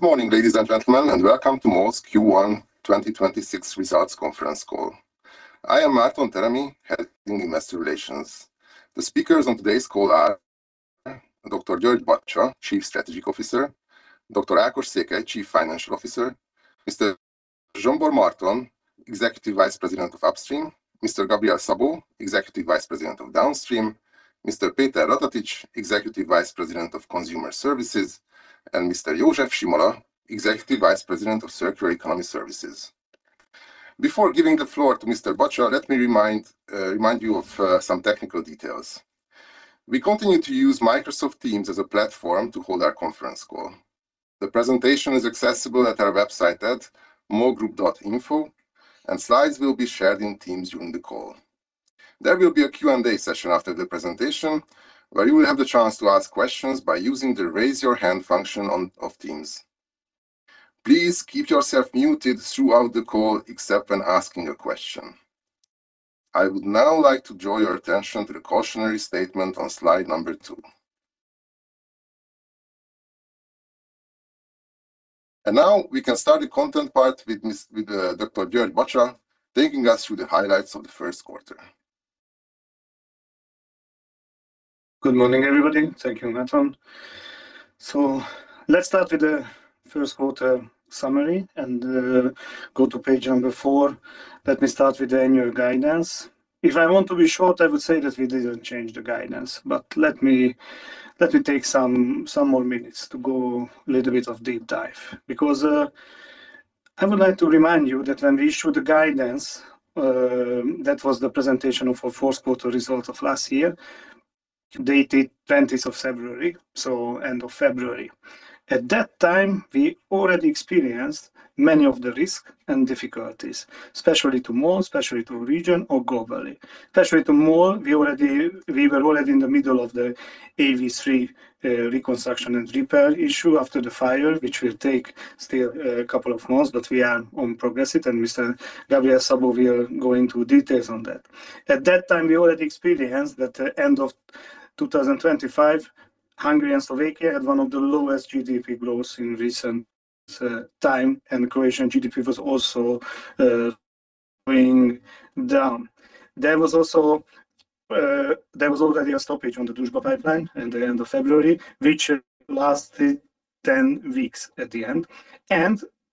Good morning, ladies and gentlemen, and welcome to MOL's Q1 2026 results conference call. I am Márton Teremi, Head in Investor Relations. The speakers on today's call are Dr. György Bacsa, Chief Strategic Officer, Dr. Ákos Székely, Chief Financial Officer, Mr. Zsombor Marton, Executive Vice President of Upstream, Mr. Gabriel Szabó, Executive Vice President of Downstream, Mr. Péter Ratatics, Executive Vice President of Consumer Services, and Mr. József Simola, Executive Vice President of Circular Economy Services. Before giving the floor to Mr. Bacsa, let me remind you of some technical details. We continue to use Microsoft Teams as a platform to hold our conference call. The presentation is accessible at our website at molgroup.info, and slides will be shared in Teams during the call. There will be a Q&A session after the presentation, where you will have the chance to ask questions by using the Raise Your Hand function of Teams. Please keep yourself muted throughout the call except when asking a question. I would now like to draw your attention to the cautionary statement on slide number two. Now we can start the content part with Dr. György Bacsa, taking us through the highlights of the first quarter. Good morning, everybody. Thank you, Márton Teremi. Let's start with the first quarter summary and go to page number four. Let me start with the annual guidance. If I want to be short, I would say that we didn't change the guidance, but let me take some more minutes to go a little bit of deep dive because I would like to remind you that when we issued the guidance, that was the presentation of our fourth quarter results of last year, dated 20th of February, so end of February. At that time, we already experienced many of the risk and difficulties, especially to MOL, especially to region or globally. Especially to MOL, we were already in the middle of the AV3 reconstruction and repair issue after the fire, which will take still couple of months, but we are on progress it, and Mr. Gabriel Szabó will go into details on that. At that time, we already experienced that at end of 2025, Hungary and Slovakia had one of the lowest GDP growth in recent time, and Croatian GDP was also going down. There was also, there was already a stoppage on the Druzhba pipeline at the end of February, which lasted 10 weeks at the end.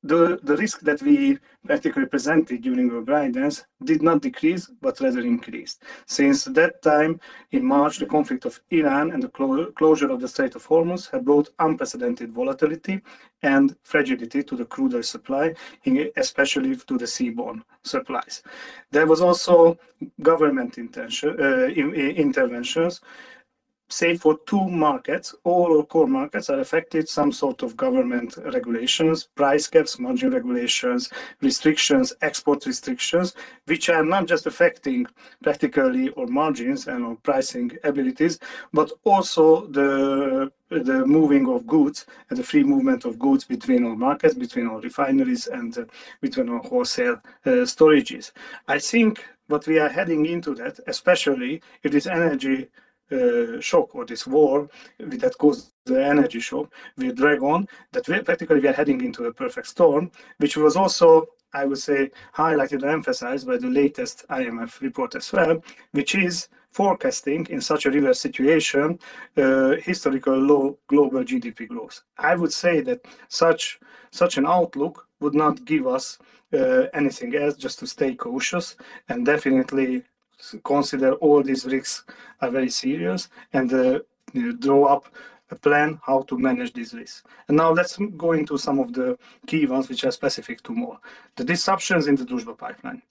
The, the risk that we practically presented during our guidance did not decrease, but rather increased. Since that time in March, the conflict of Iran and the closure of the Strait of Hormuz have brought unprecedented volatility and fragility to the crude oil supply, especially to the seaborne supplies. There was also government interventions. Save for two markets, all our core markets are affected, some sort of government regulations, price caps, margin regulations, restrictions, export restrictions, which are not just affecting practically our margins and our pricing abilities, but also the moving of goods and the free movement of goods between our markets, between our refineries and between our wholesale storages. I think what we are heading into that, especially if this energy shock or this war that caused the energy shock will drag on, that practically, we are heading into a perfect storm, which was also, I would say, highlighted or emphasized by the latest IMF report as well, which is forecasting, in such a real situation, historical low global GDP growth. I would say that such an outlook would not give us anything else, just to stay cautious and definitely consider all these risks are very serious and draw up a plan how to manage this risk. Now let's go into some of the key ones which are specific to MOL. The disruptions in the Druzhba pipeline.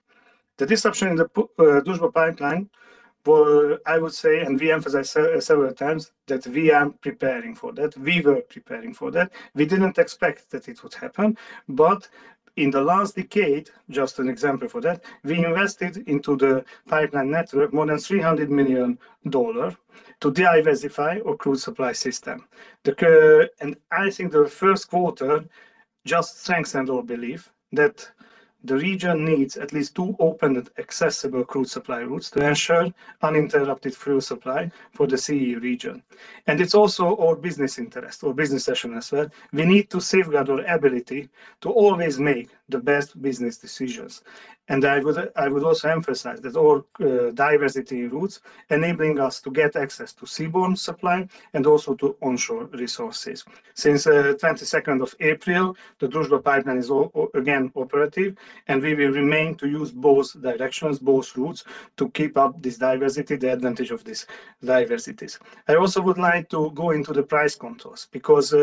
The disruption in the Druzhba pipeline were, I would say, and we emphasized several times, that we are preparing for that. We were preparing for that. We didn't expect that it would happen, but in the last decade, just an example for that, we invested into the pipeline network more than $300 million to diversify our crude supply system. I think the first quarter just strengthened our belief that the region needs at least two open and accessible crude supply routes to ensure uninterrupted fuel supply for the CE region. It's also our business interest, our business session as well. We need to safeguard our ability to always make the best business decisions. I would also emphasize that all diversity routes enabling us to get access to seaborne supply and also to onshore resources. Since the 22nd of April, the Druzhba pipeline is again operative, and we will remain to use both directions, both routes, to keep up this diversity, the advantage of this diversities. I also would like to go into the price controls because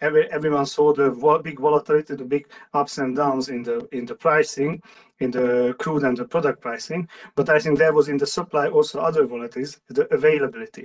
everyone saw the big volatility, the big ups and downs in the pricing, in the crude and the product pricing. I think there was in the supply also other volatiles, the availability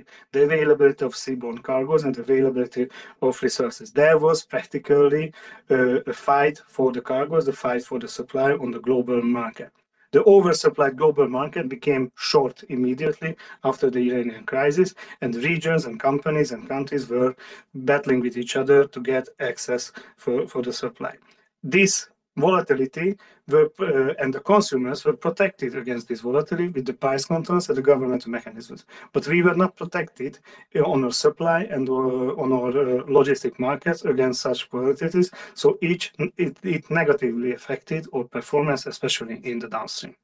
of seaborne cargos and availability of resources. There was practically a fight for the cargos, a fight for the supply on the global market. The oversupplied global market became short immediately after the Iranian crisis, and regions and companies and countries were battling with each other to get access for the supply. This volatility and the consumers were protected against this volatility with the price controls and the government mechanisms. We were not protected on our supply and on our logistic markets against such volatilities, so it negatively affected our performance, especially in the downstream.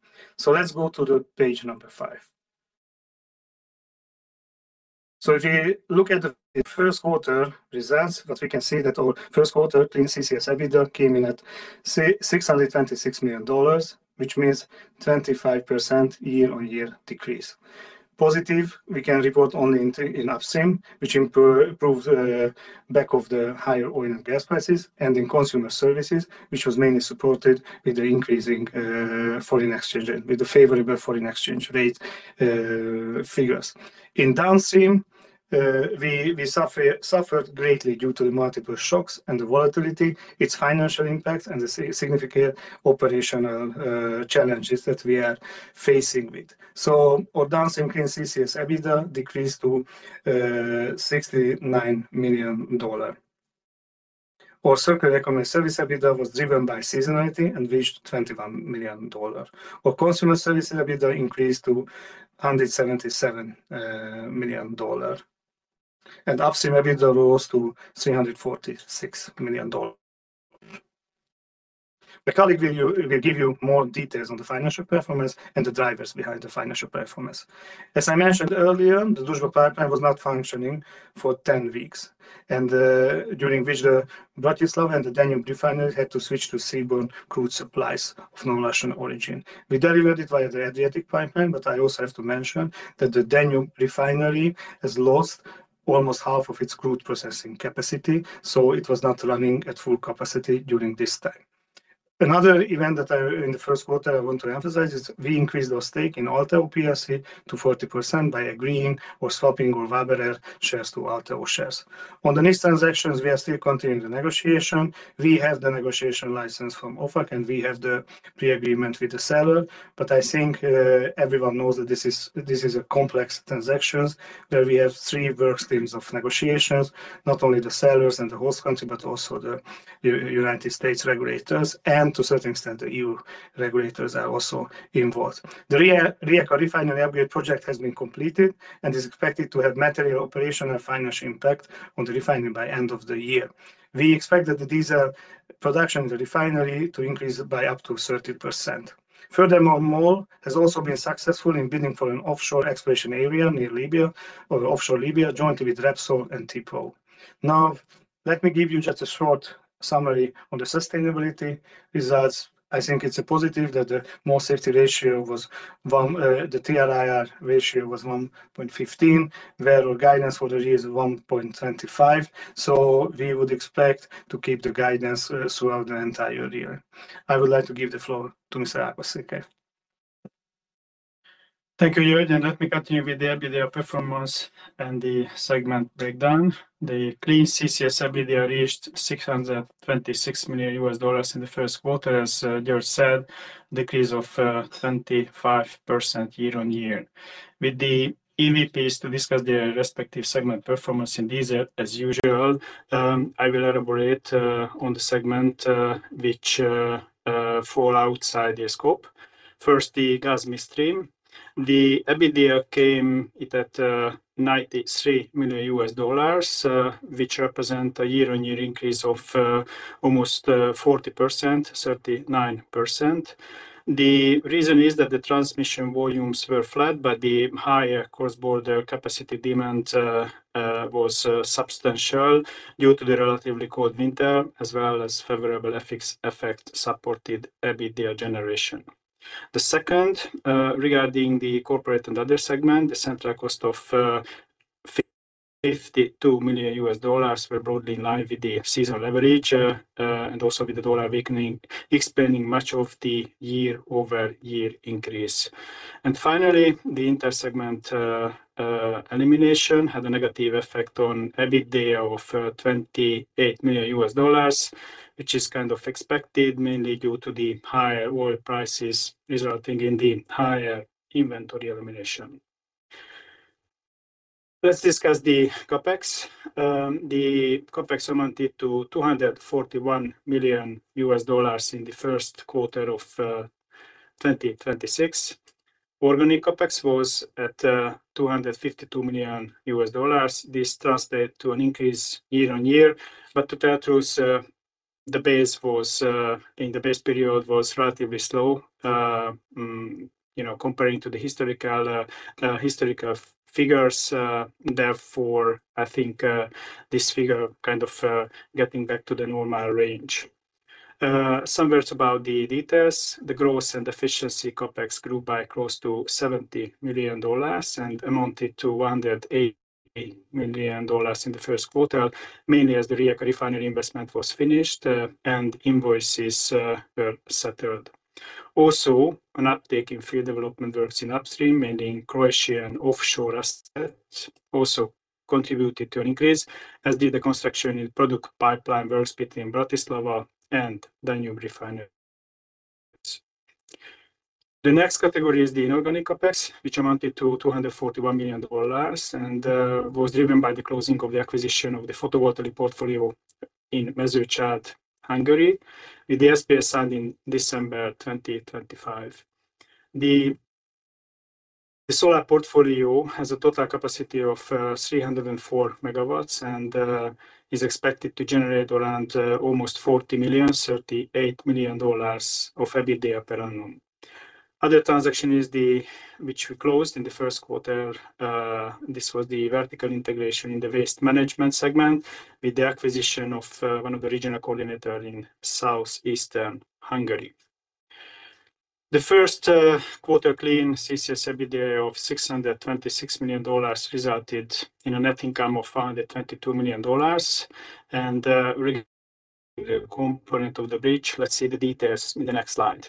Let's go to the page number five. If you look at the first quarter results, what we can see that our first quarter Clean CCS EBITDA came in at $626 million, which means 25% year-on-year decrease. Positive, we can report only in upstream, which improved back of the higher oil and gas prices, and in consumer services, which was mainly supported with the increasing foreign exchange and with the favorable foreign exchange rate figures. In downstream, we suffered greatly due to the multiple shocks and the volatility, its financial impact, and the significant operational challenges that we are facing with. Our downstream Clean CCS EBITDA decreased to $69 million. Our Consumer Services EBITDA was driven by seasonality and reached $21 million. Our Consumer Services EBITDA increased to $177 million. Upstream EBITDA rose to $346 million. My colleague will give you more details on the financial performance and the drivers behind the financial performance. As I mentioned earlier, the Druzhba pipeline was not functioning for 10 weeks, during which the Bratislava and the Danube Refinery had to switch to seaborne crude supplies of non-Russian origin. We delivered it via the Adriatic pipeline, but I also have to mention that the Danube Refinery has lost almost half of its crude processing capacity, so it was not running at full capacity during this time. Another event that in the first quarter I want to emphasize is we increased our stake in Alteo Plc. to 40% by agreeing or swapping our Waberer’s shares to Alteo shares. On the next transactions, we are still continuing the negotiation. We have the negotiation license from OFAC, and we have the pre-agreement with the seller. I think everyone knows that this is a complex transaction where we have three work streams of negotiations, not only the sellers and the host country, but also the United States regulators and to a certain extent, the EU regulators are also involved. The Rijeka refinery upgrade project has been completed and is expected to have material operational financial impact on the refining by end of the year. We expect that the diesel production in the refinery to increase by up to 30%. Furthermore, MOL has also been successful in bidding for an offshore exploration area near Libya, or the offshore Libya, jointly with Repsol and TP. Let me give you just a short summary on the sustainability results. I think it's a positive that the MOL safety ratio was one, the TRIR ratio was 1.15, where our guidance for the year is 1.25. We would expect to keep the guidance throughout the entire year. I would like to give the floor to Mr. Ákos Székely. Thank you, György. Let me continue with the EBITDA performance and the segment breakdown. The Clean CCS EBITDA reached $626 million in the first quarter. As György said, decrease of 25% year-on-year. With the EVPs to discuss their respective segment performance in these, as usual, I will elaborate on the segment which fall outside the scope. First, the Gas Midstream. The EBITDA came in at $93 million, which represent a year-on-year increase of almost 40%, 39%. The reason is that the transmission volumes were flat, the higher cross-border capacity demand was substantial due to the relatively cold winter, as well as favorable FX effect supported EBITDA generation. The second, regarding the corporate and other segment, the central cost of $52 million were broadly in line with the seasonal leverage, and also with the dollar weakening, explaining much of the year-over-year increase. Finally, the inter-segment elimination had a negative effect on EBITDA of $28 million, which is kind of expected mainly due to the higher oil prices resulting in the higher inventory elimination. Let's discuss the CapEx. The CapEx amounted to $241 million in the first quarter of 2026. Organic CapEx was at $252 million. This translate to an increase year-on-year, to tell the truth, the base was in the base period was relatively slow, you know, comparing to the historical figures. Therefore, I think this figure getting back to the normal range. Some words about the details. The growth and efficiency CapEx grew by close to $70 million and amounted to $108 million in the first quarter, mainly as the Rijeka refinery investment was finished and invoices were settled. Also, an uptake in field development works in upstream and in Croatian offshore assets also contributed to an increase, as did the construction in product pipeline works between Bratislava and Danube Refinery. The next category is the inorganic CapEx, which amounted to $241 million and was driven by the closing of the acquisition of the photovoltaic portfolio in Mezőcsát, Hungary, with the SPA signed in December 2025. The solar portfolio has a total capacity of 304 MWs and is expected to generate around almost $40 million, $38 million of EBITDA per annum. Other transaction is the, which we closed in the first quarter, this was the vertical integration in the waste management segment with the acquisition of one of the regional coordinator in South Eastern Hungary. The first quarter clean CCS EBITDA of $626 million resulted in a net income of $522 million. Regarding the component of the bridge, let's see the details in the next slide.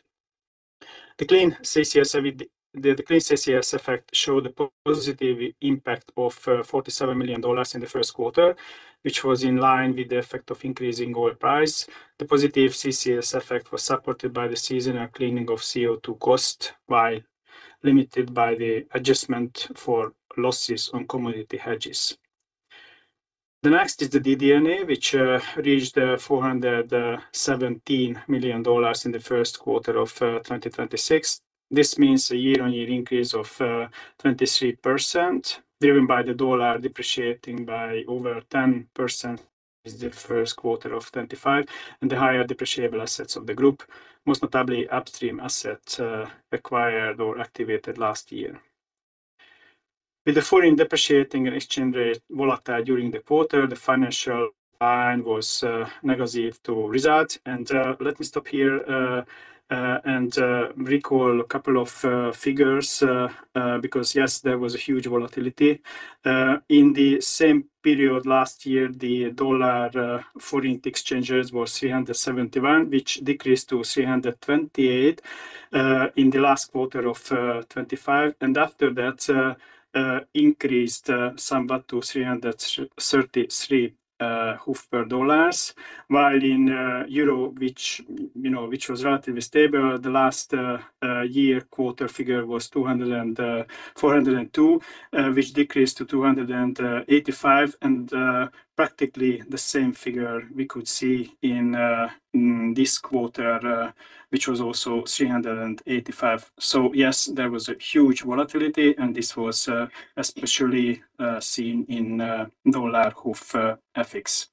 The clean CCS effect showed the positive impact of $47 million in the first quarter, which was in line with the effect of increasing oil price. The positive CCS effect was supported by the seasonal cleaning of CO2 cost, while limited by the adjustment for losses on commodity hedges. The next is the DD&A, which reached $417 million in the first quarter of 2026. This means a year-on-year increase of 23% driven by the dollar depreciating by over 10% is the first quarter of 2025, and the higher depreciable assets of the group, most notably Upstream assets, acquired or activated last year. With the foreign depreciating and exchange rate volatile during the quarter, the financial line was negative to results. Let me stop here and recall a couple of figures because yes, there was a huge volatility. In the same period last year, the dollar foreign exchanges was 371, which decreased to 328 in the last quarter of 2025. After that, increased somewhat to 333 per dollars. While in euro, which, you know, was relatively stable, the last year quarter figure was 402, which decreased to 285. Practically the same figure we could see in this quarter, which was also 385. Yes, there was a huge volatility, and this was especially seen in dollar/HUF FX.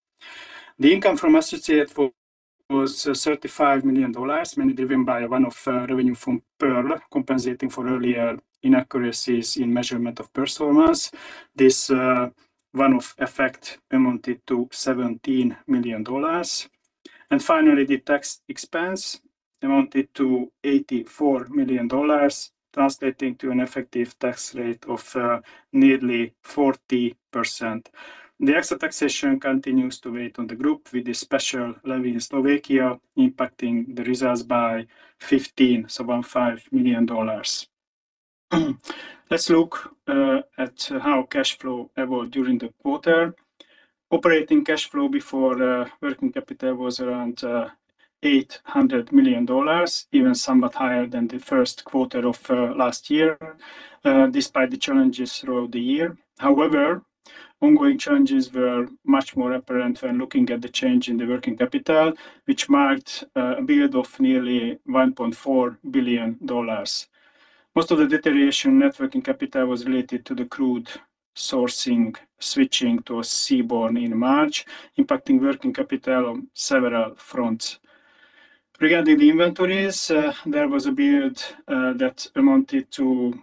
The income from associated was $35 million, mainly driven by one-off revenue from Pearl compensating for earlier inaccuracies in measurement of performance. This one-off effect amounted to $17 million. Finally, the tax expense amounted to $84 million, translating to an effective tax rate of nearly 40%. The extra taxation continues to wait on the group with the special levy in Slovakia impacting the results by $15 million. Let's look at how cash flow evolved during the quarter. Operating cash flow before working capital was around $800 million, even somewhat higher than the first quarter of last year, despite the challenges throughout the year. However, ongoing challenges were much more apparent when looking at the change in the working capital, which marked a build of nearly $1.4 billion. Most of the deterioration net working capital was related to the crude sourcing, switching to seaborne in March, impacting working capital on several fronts. Regarding the inventories, there was a build that amounted to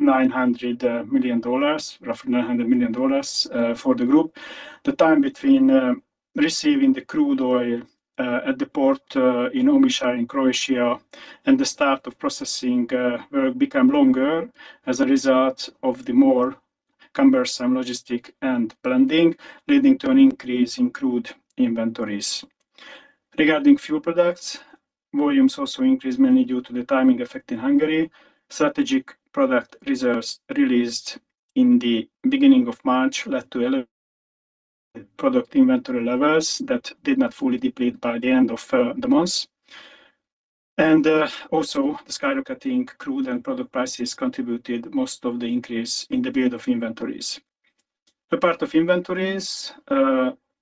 $900 million, roughly $900 million, for the group. The time between receiving the crude oil at the port in Omišalj in Croatia and the start of processing work become longer as a result of the more cumbersome logistic and blending, leading to an increase in crude inventories. Regarding fuel products, volumes also increased mainly due to the timing effect in Hungary. Strategic product reserves released in the beginning of March led to product inventory levels that did not fully deplete by the end of the month. Also the skyrocketing crude and product prices contributed most of the increase in the build of inventories. Apart from inventories,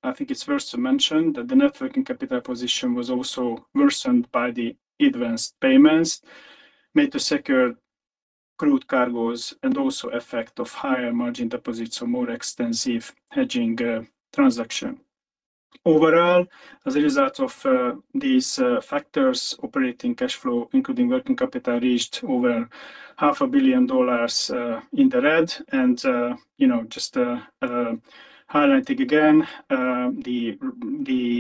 I think it's worth to mention that the net working capital position was also worsened by the advanced payments made to secure crude cargoes and also effect of higher margin deposits or more extensive hedging transaction. Overall, as a result of these factors, operating cash flow, including working capital, reached over half a billion dollars in the red. You know, just highlighting again,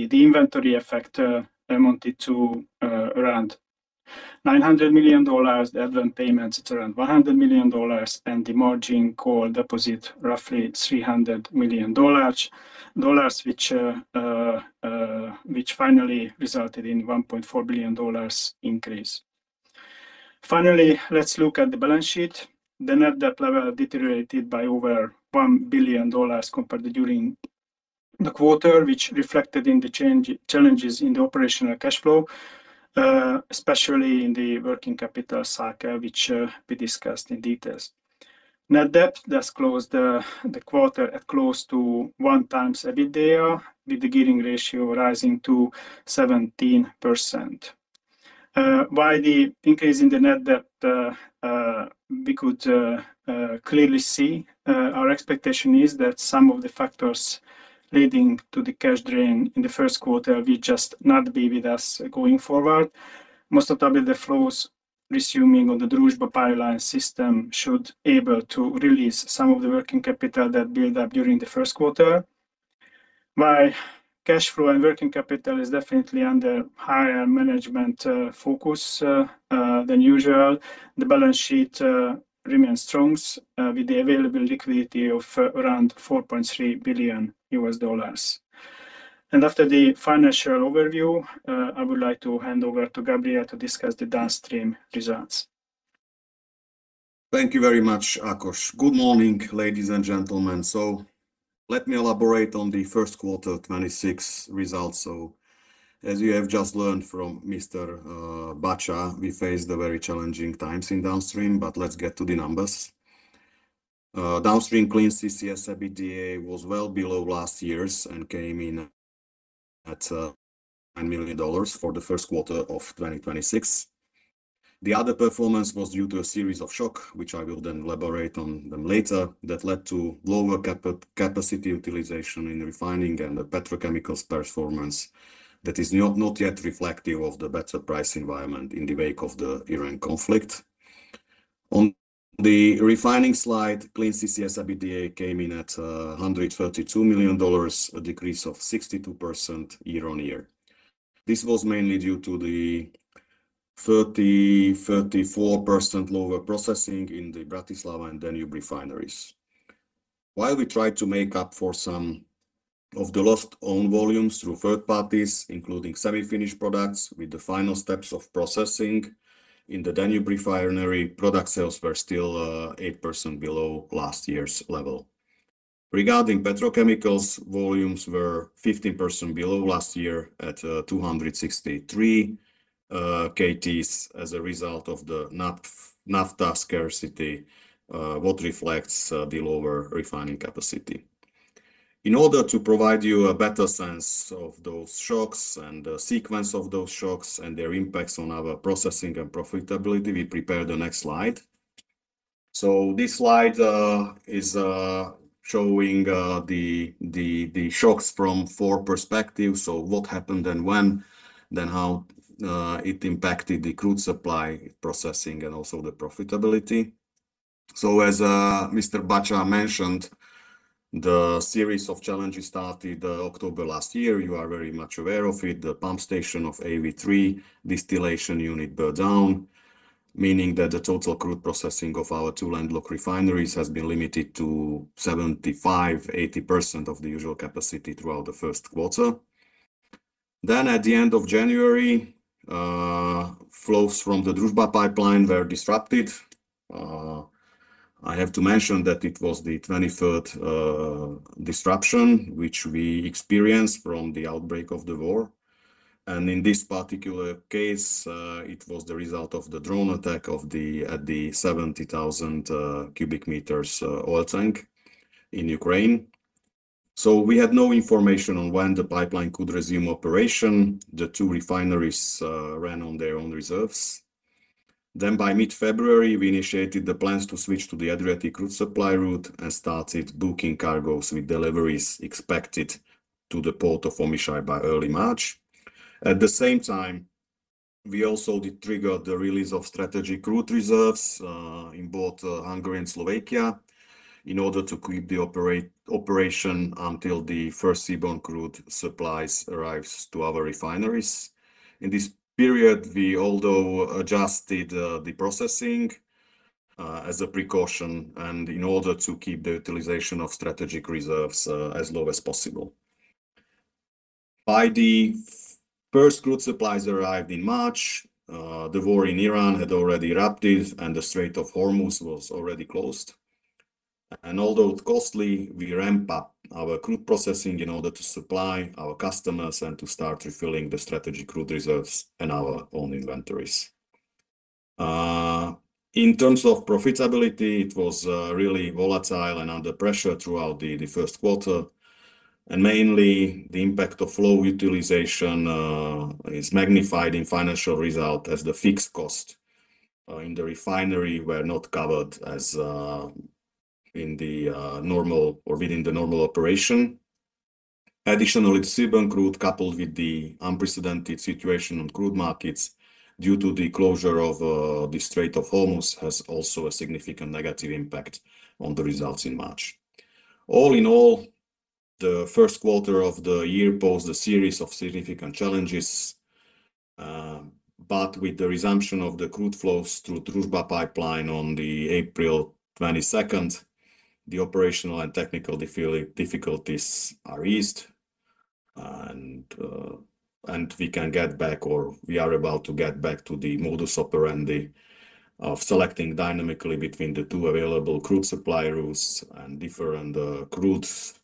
the inventory effect amounted to around $900 million. The advanced payments at around $100 million, and the margin call deposit roughly $300 million which finally resulted in $1.4 billion increase. Finally, let's look at the balance sheet. The net debt level deteriorated by over $1 billion compared to during the quarter, which reflected in challenges in the operational cash flow, especially in the working capital cycle, which we discussed in details. Net debt does close the quarter at close to 1x EBITDA, with the gearing ratio rising to 17%. While the increase in the net debt, We could clearly see, our expectation is that some of the factors leading to the cash drain in the first quarter will just not be with us going forward. Most notably, the flows resuming on the Druzhba pipeline system should able to release some of the working capital that built up during the first quarter. My cash flow and working capital is definitely under higher management focus than usual. The balance sheet remains strong, with the available liquidity of around $4.3 billion. After the financial overview, I would like to hand over to Gabriel to discuss the downstream results. Thank you very much, Ákos. Good morning, ladies and gentlemen. Let me elaborate on the first quarter 2026 results. As you have just learned from Mr. Bacsa, we faced very challenging times in downstream, let's get to the numbers. Downstream Clean CCS EBITDA was well below last year's and came in at $9 million for the first quarter of 2026. The other performance was due to a series of shock, which I will then elaborate on them later, that led to lower capacity utilization in refining and the petrochemicals performance that is not yet reflective of the better price environment in the wake of the Iran conflict. On the refining slide, Clean CCS EBITDA came in at $132 million, a decrease of 62% year-on-year. This was mainly due to the 30%-34% lower processing in the Bratislava and Danube Refinery. While we tried to make up for some of the lost own volumes through third parties, including semi-finished products with the final steps of processing in the Danube Refinery, product sales were still 8% below last year's level. Regarding petrochemicals, volumes were 15% below last year at 263kt as a result of the naphtha scarcity, what reflects the lower refining capacity. In order to provide you a better sense of those shocks and the sequence of those shocks and their impacts on our processing and profitability, we prepare the next slide. This slide is showing the shocks from four perspectives. What happened and when, then how it impacted the crude supply processing and also the profitability. As Mr. Bacsa mentioned, the series of challenges started October last year. You are very much aware of it. The pump station of AV3 distillation unit burned down, meaning that the total crude processing of our two landlocked refineries has been limited to 75%-80% of the usual capacity throughout the first quarter. At the end of January, flows from the Druzhba pipeline were disrupted. I have to mention that it was the 23rd disruption, which we experienced from the outbreak of the war. In this particular case, it was the result of the drone attack of the, at the 70,000 cubic meters oil tank in Ukraine. We had no information on when the pipeline could resume operation. The two refineries ran on their own reserves. By mid-February, we initiated the plans to switch to the Adriatic route supply route and started booking cargos with deliveries expected to the port of Omišalj by early March. At the same time, we also did trigger the release of strategic crude reserves in both Hungary and Slovakia in order to keep the operation until the first seaborne crude supplies arrives to our refineries. In this period, we although adjusted the processing as a precaution and in order to keep the utilization of strategic reserves as low as possible. By the first crude supplies arrived in March, the war in Iran had already erupted, and the Strait of Hormuz was already closed. Although costly, we ramp up our crude processing in order to supply our customers and to start refilling the strategic crude reserves and our own inventories. In terms of profitability, it was really volatile and under pressure throughout the first quarter. Mainly the impact of low utilization is magnified in financial result as the fixed cost in the refinery were not covered as in the normal or within the normal operation. Additionally, seaborne crude, coupled with the unprecedented situation on crude markets due to the closure of the Strait of Hormuz, has also a significant negative impact on the results in March. All in all, the first quarter of the year posed a series of significant challenges. With the resumption of the crude flows through Druzhba pipeline on the April 22nd, the operational and technical difficulties are eased and we can get back, or we are about to get back to the modus operandi of selecting dynamically between the two available crude supply routes and different crudes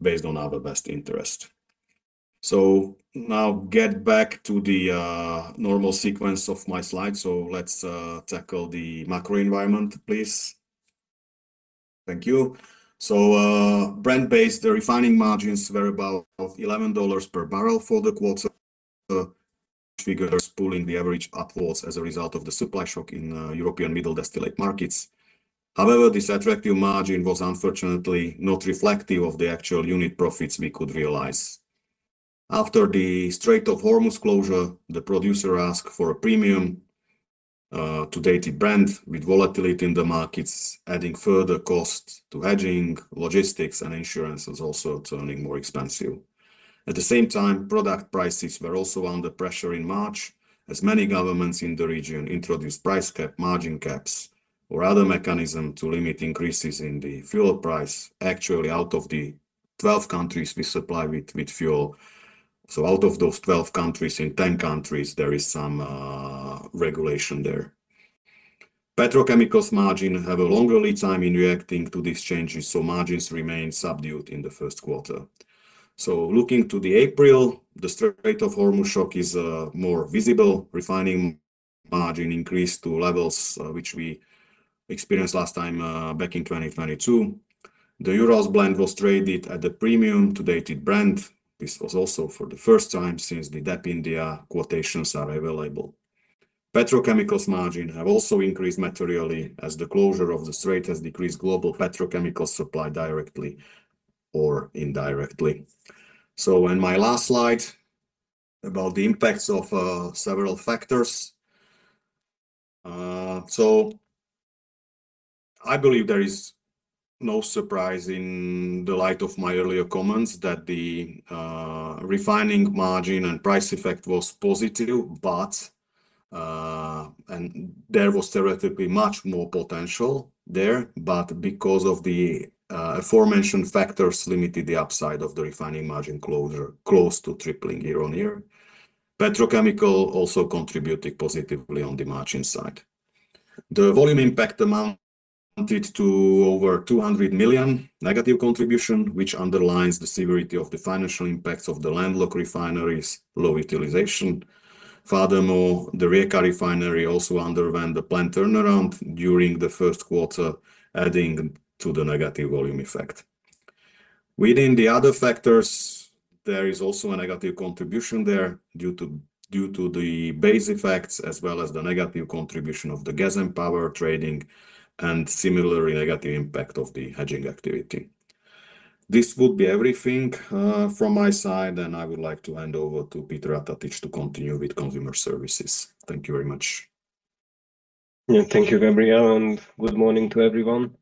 based on our best interest. Now get back to the normal sequence of my slides. Let's tackle the macro environment. Please. Thank you. Brent-based refining margins were about $11 per bbl for the quarter, figures pulling the average upwards as a result of the supply shock in European middle distillate markets. However, this attractive margin was unfortunately not reflective of the actual unit profits we could realize. After the Strait of Hormuz closure, the producer asked for a premium to Dated Brent, with volatility in the markets adding further cost to hedging, logistics and insurance was also turning more expensive. At the same time, product prices were also under pressure in March, as many governments in the region introduced price cap, margin caps or other mechanism to limit increases in the fuel price. Actually, out of the 12 countries we supply with fuel, out of those 12 countries, in 10 countries, there is some regulation there. Petrochemicals margin have a longer lead time in reacting to these changes, margins remain subdued in the first quarter. Looking to the April, the Strait of Hormuz shock is more visible. Refining margin increased to levels which we experienced last time back in 2022. The Urals blend was traded at a premium to dated Brent. This was also for the first time since the DAP India quotations are available. Petrochemicals margin have also increased materially as the closure of the strait has decreased global petrochemical supply directly or indirectly. In my last slide about the impacts of several factors. I believe there is no surprise in the light of my earlier comments that the refining margin and price effect was positive, but and there was theoretically much more potential there, but because of the aforementioned factors limited the upside of the refining margin closure close to tripling year on year. Petrochemical also contributed positively on the margin side. The volume impact amounted to over 200 million negative contribution, which underlines the severity of the financial impacts of the landlocked refineries' low utilization. Furthermore, the Rijeka refinery also underwent a planned turnaround during the first quarter, adding to the negative volume effect. Within the other factors, there is also a negative contribution there due to the base effects as well as the negative contribution of the gas and power trading and similar negative impact of the hedging activity. This would be everything from my side, and I would like to hand over to Péter Ratatics to continue with consumer services. Thank you very much. Yeah. Thank you, Gabriel, and good morning to everyone.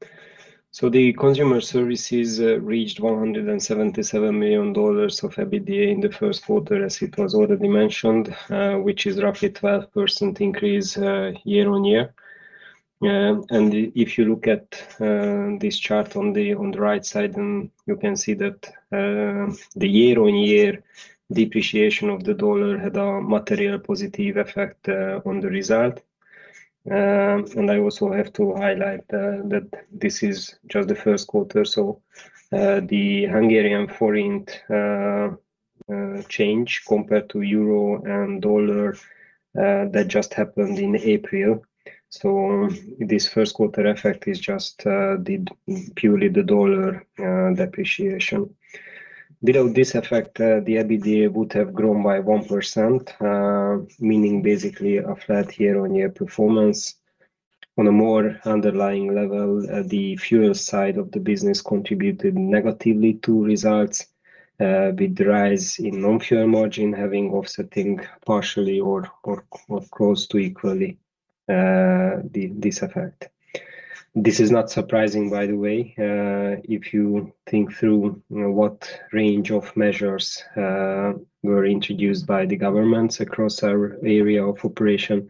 The consumer services reached $177 million of EBITDA in the first quarter, as it was already mentioned, which is roughly 12% increase year-on-year. If you look at this chart on the right side, you can see that the year-on-year depreciation of the dollar had a material positive effect on the result. I also have to highlight that this is just the first quarter, the Hungarian forint change compared to euro and dollar that just happened in April. This first quarter effect is just purely the dollar depreciation. Without this effect, the EBITDA would have grown by 1%, meaning basically a flat year-on-year performance. On a more underlying level, the fuel side of the business contributed negatively to results, with the rise in non-fuel margin having offsetting partially or close to equally this effect. This is not surprising, by the way, if you think through, you know, what range of measures were introduced by the governments across our area of operation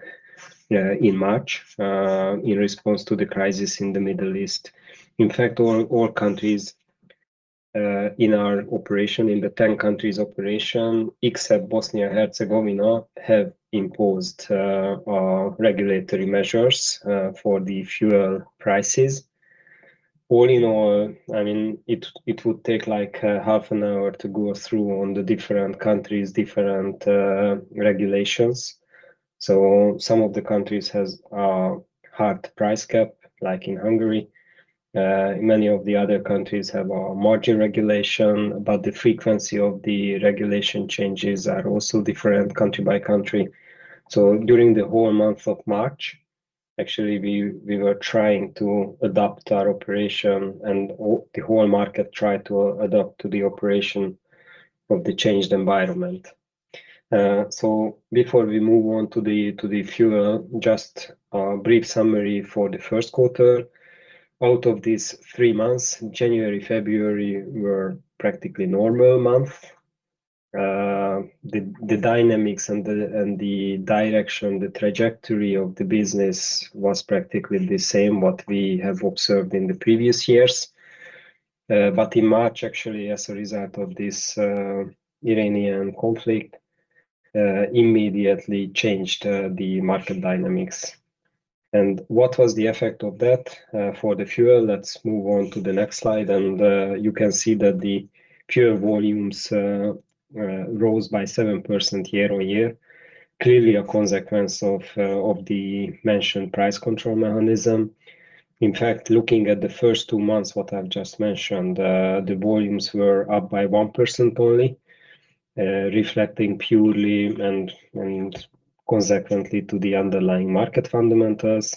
in March in response to the crisis in the Middle East. In fact, all countries in our operation, in the 10 countries operation, except Bosnia Herzegovina, have imposed regulatory measures for the fuel prices. All in all, I mean, it would take, like, half an hour to go through on the different countries, different regulations. Some of the countries has a hard price cap, like in Hungary. Many of the other countries have a margin regulation, but the frequency of the regulation changes are also different country by country. During the whole month of March, actually, we were trying to adapt our operation, and the whole market tried to adapt to the operation of the changed environment. Before we move on to the, to the fuel, just a brief summary for the first quarter. Out of these three months, January, February were practically normal month. The dynamics and the direction, the trajectory of the business was practically the same what we have observed in the previous years. In March, actually, as a result of this Iranian conflict, immediately changed the market dynamics. What was the effect of that for the fuel? Let's move on to the next slide. You can see that the fuel volumes rose by 7% year-on-year, clearly a consequence of the mentioned price control mechanism. In fact, looking at the first two months, what I've just mentioned, the volumes were up by 1% only. Reflecting purely and consequently to the underlying market fundamentals.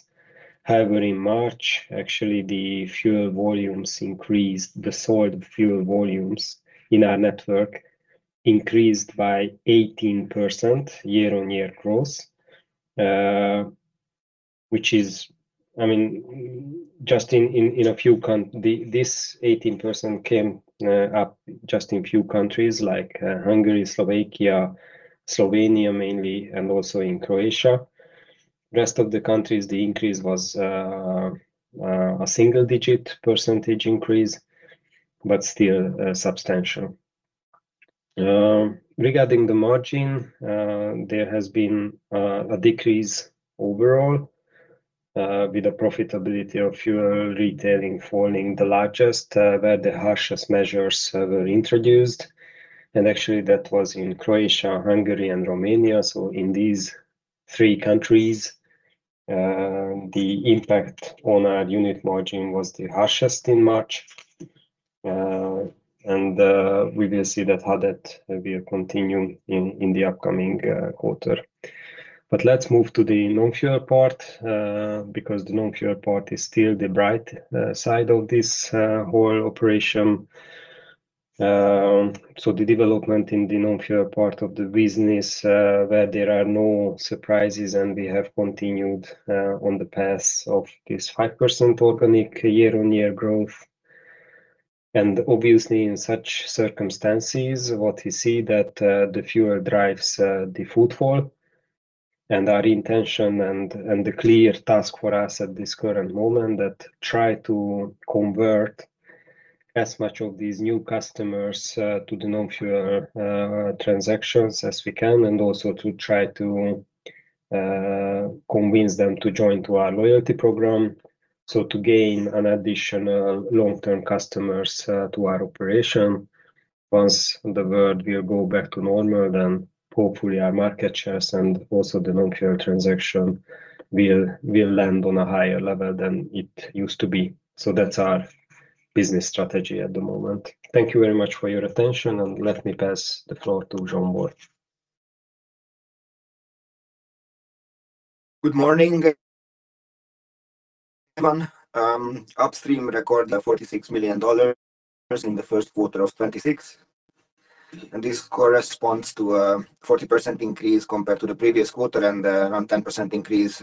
However, in March, actually the fuel volumes increased. The sold fuel volumes in our network increased by 18% year-on-year growth. I mean, just in a few countries, this 18% came up just in a few countries like Hungary, Slovakia, Slovenia mainly, and also in Croatia. Rest of the countries, the increase was a single-digit percentage increase, but still substantial. Regarding the margin, there has been a decrease overall, with the profitability of fuel retailing falling the largest, where the harshest measures were introduced. Actually that was in Croatia, Hungary, and Romania. In these three countries, the impact on our unit margin was the harshest in March. We will see that how that will continue in the upcoming quarter. Let's move to the non-fuel part, because the non-fuel part is still the bright side of this whole operation. The development in the non-fuel part of the business, where there are no surprises, and we have continued on the path of this 5% organic year-on-year growth. Obviously, in such circumstances, what we see that the fuel drives the footfall. Our intention and the clear task for us at this current moment that try to convert as much of these new customers to the non-fuel transactions as we can and also to try to convince them to join to our loyalty program, so to gain an additional long-term customers to our operation. Once the world will go back to normal, then hopefully our market shares and also the non-fuel transaction will land on a higher level than it used to be. That's our business strategy at the moment. Thank you very much for your attention, and let me pass the floor to Zsombor. Good morning, everyone. Upstream recorded $46 million in the first quarter of 2026, and this corresponds to a 40% increase compared to the previous quarter and, around 10% increase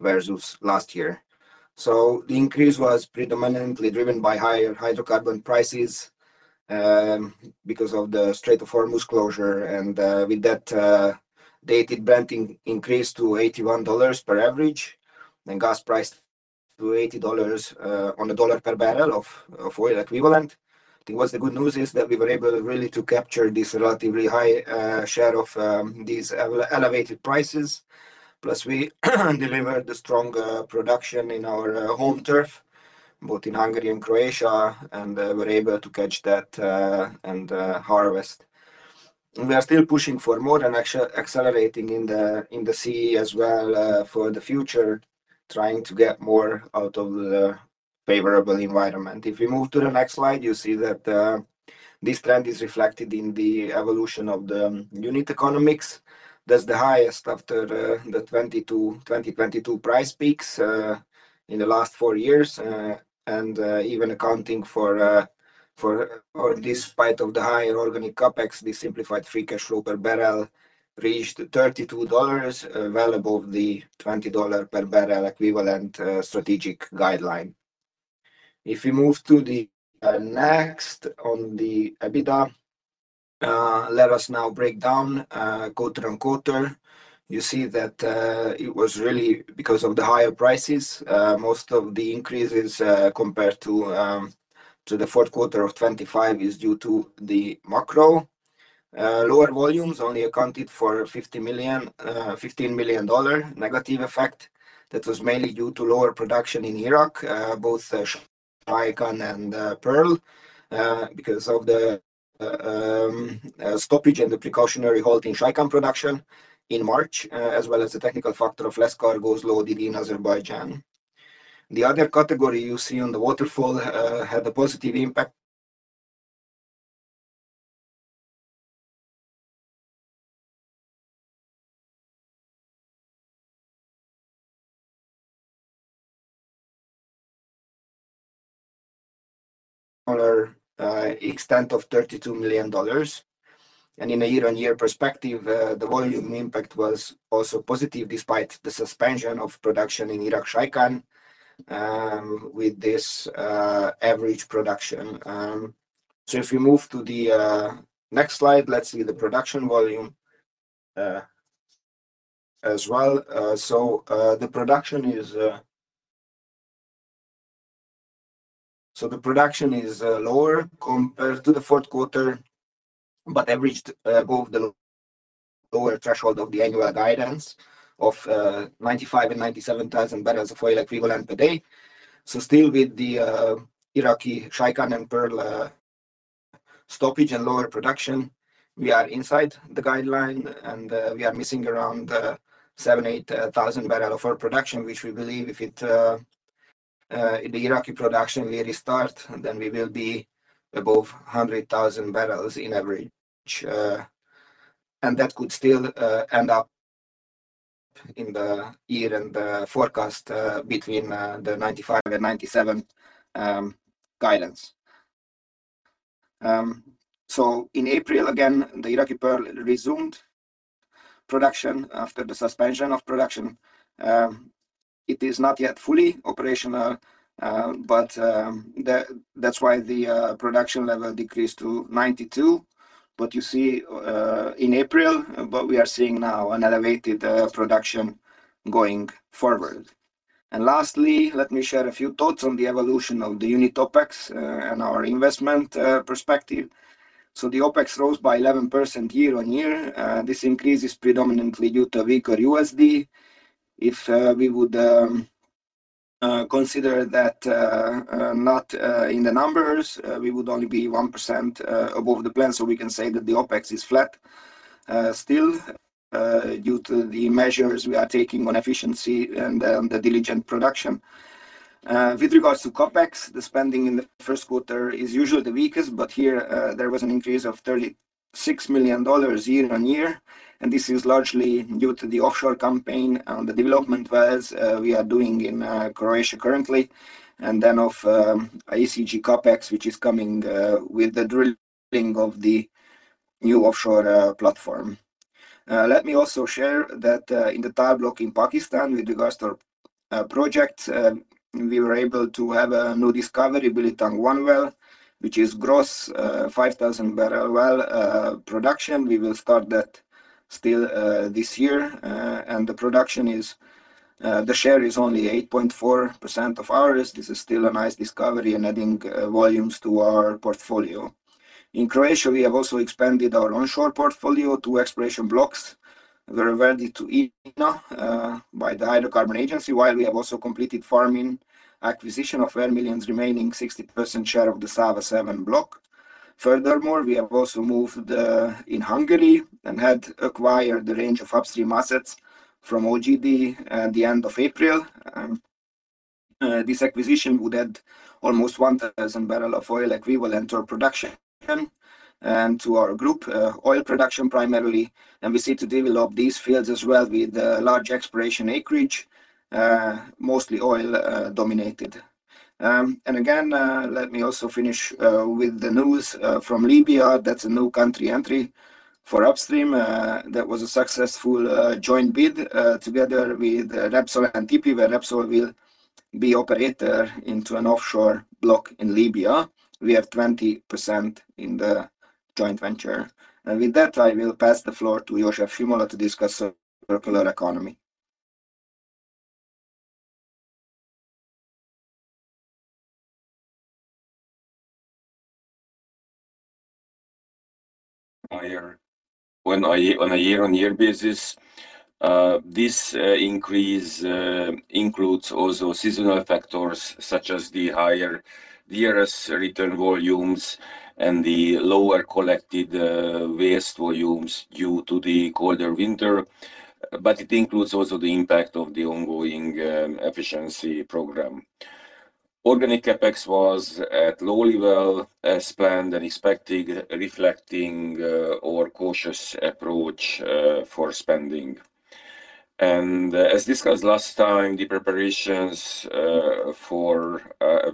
versus last year. The increase was predominantly driven by higher hydrocarbon prices because of the Strait of Hormuz closure. With that, dated Brent increased to $81 per average and gas price to $80 on a dollar per bbl of oil equivalent. I think what's the good news is that we were able really to capture this relatively high share of these elevated prices. Plus, we delivered the strong production in our home turf, both in Hungary and Croatia, and were able to catch that and harvest. We are still pushing for more and accelerating in the sea as well, for the future, trying to get more out of the favorable environment. If we move to the next slide, you see that this trend is reflected in the evolution of the unit economics. That's the highest after the 2022 price peaks in the last four years. Even accounting for or despite of the higher organic CapEx, the simplified free cash flow per bbl reached $32, well above the $20 per bbl equivalent strategic guideline. If we move to the next on the EBITDA, let us now break down quarter on quarter. You see that it was really because of the higher prices. Most of the increases compared to the fourth quarter of 2025 is due to the macro. Lower volumes only accounted for $15 million negative effect. That was mainly due to lower production in Iraq, both Shaikan and Pearl, because of the stoppage and the precautionary halt in Shaikan production in March, as well as the technical factor of less cargos loaded in Azerbaijan. The other category you see on the waterfall had a positive impact. Dollar extent of $32 million. In a year-on-year perspective, the volume impact was also positive despite the suspension of production in Iraq Shaikan, with this average production. If we move to the next slide, let's see the production volume as well. The production is lower compared to the fourth quarter, but averaged above the lower threshold of the annual guidance of 95,000 bbl and 97,000 bbl of oil equivalent per day. Still with the Iraqi Shaikan and Pearl stoppage and lower production, we are inside the guideline, and we are missing around 7,000, 8,000 bbl of oil production, which we believe if the Iraqi production will restart, then we will be above 100,000 bbl in average. And that could still end up in the year and the forecast between the 95,000 bbl and 97,000 bbl guidance. In April, again, the Iraqi Pearl resumed production after the suspension of production. It is not yet fully operational, but that's why the production level decreased to 92. You see, in April, but we are seeing now an elevated production going forward. Lastly, let me share a few thoughts on the evolution of the unit OpEx and our investment perspective. The OpEx rose by 11% year-on-year. This increase is predominantly due to weaker USD. If we would consider that not in the numbers, we would only be 1% above the plan. We can say that the OpEx is flat, still, due to the measures we are taking on efficiency and the diligent production. With regards to CapEx, the spending in the first quarter is usually the weakest. Here, there was an increase of $36 million year-on-year. This is largely due to the offshore campaign and the development wells we are doing in Croatia currently. Then of ACG CapEx, which is coming with the drilling of the new offshore platform. Let me also share that in the TAL block in Pakistan with regards to projects, we were able to have a new discovery drilled on one well, which is gross 5,000 bbl well production. We will start that still this year. The production is, the share is only 8.4% of ours. This is still a nice discovery and adding volumes to our portfolio. In Croatia, we have also expanded our onshore portfolio, two exploration blocks were awarded to INA by the Hydrocarbon Agency, while we have also completed farming acquisition of Vermilion Energy's remaining 60% share of the Sava-07 block. Furthermore, we have also moved in Hungary and had acquired the range of upstream assets from OGD at the end of April. This acquisition would add almost 1,000 bbl of oil equivalent to our production and to our group oil production primarily. We seek to develop these fields as well with large exploration acreage, mostly oil dominated. Again, let me also finish with the news from Libya. That's a new country entry for upstream. That was a successful joint bid together with Repsol and TP, where Repsol will be operator into an offshore block in Libya. We have 20% in the joint venture. With that, I will pass the floor to József Simola to discuss the circular economy. Higher on a year-on-year basis. This increase includes also seasonal factors such as the higher DRS return volumes and the lower collected waste volumes due to the colder winter, but it includes also the impact of the ongoing efficiency program. Organic CapEx was at low level as planned and expected, reflecting our cautious approach for spending. As discussed last time, the preparations for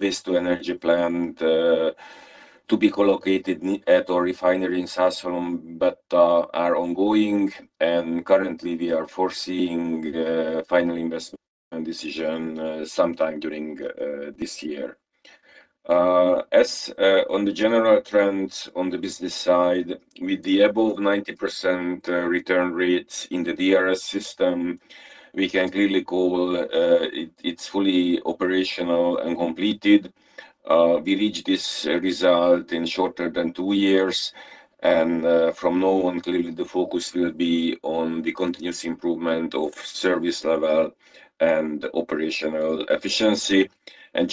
waste to energy plant to be co-located at our refinery in Százhalombatta are ongoing. Currently, we are foreseeing final investment decision sometime during this year. As on the general trends on the business side, with the above 90% return rates in the DRS system, we can clearly call it's fully operational and completed. We reached this result in shorter than two years. From now on, clearly the focus will be on the continuous improvement of service level and operational efficiency.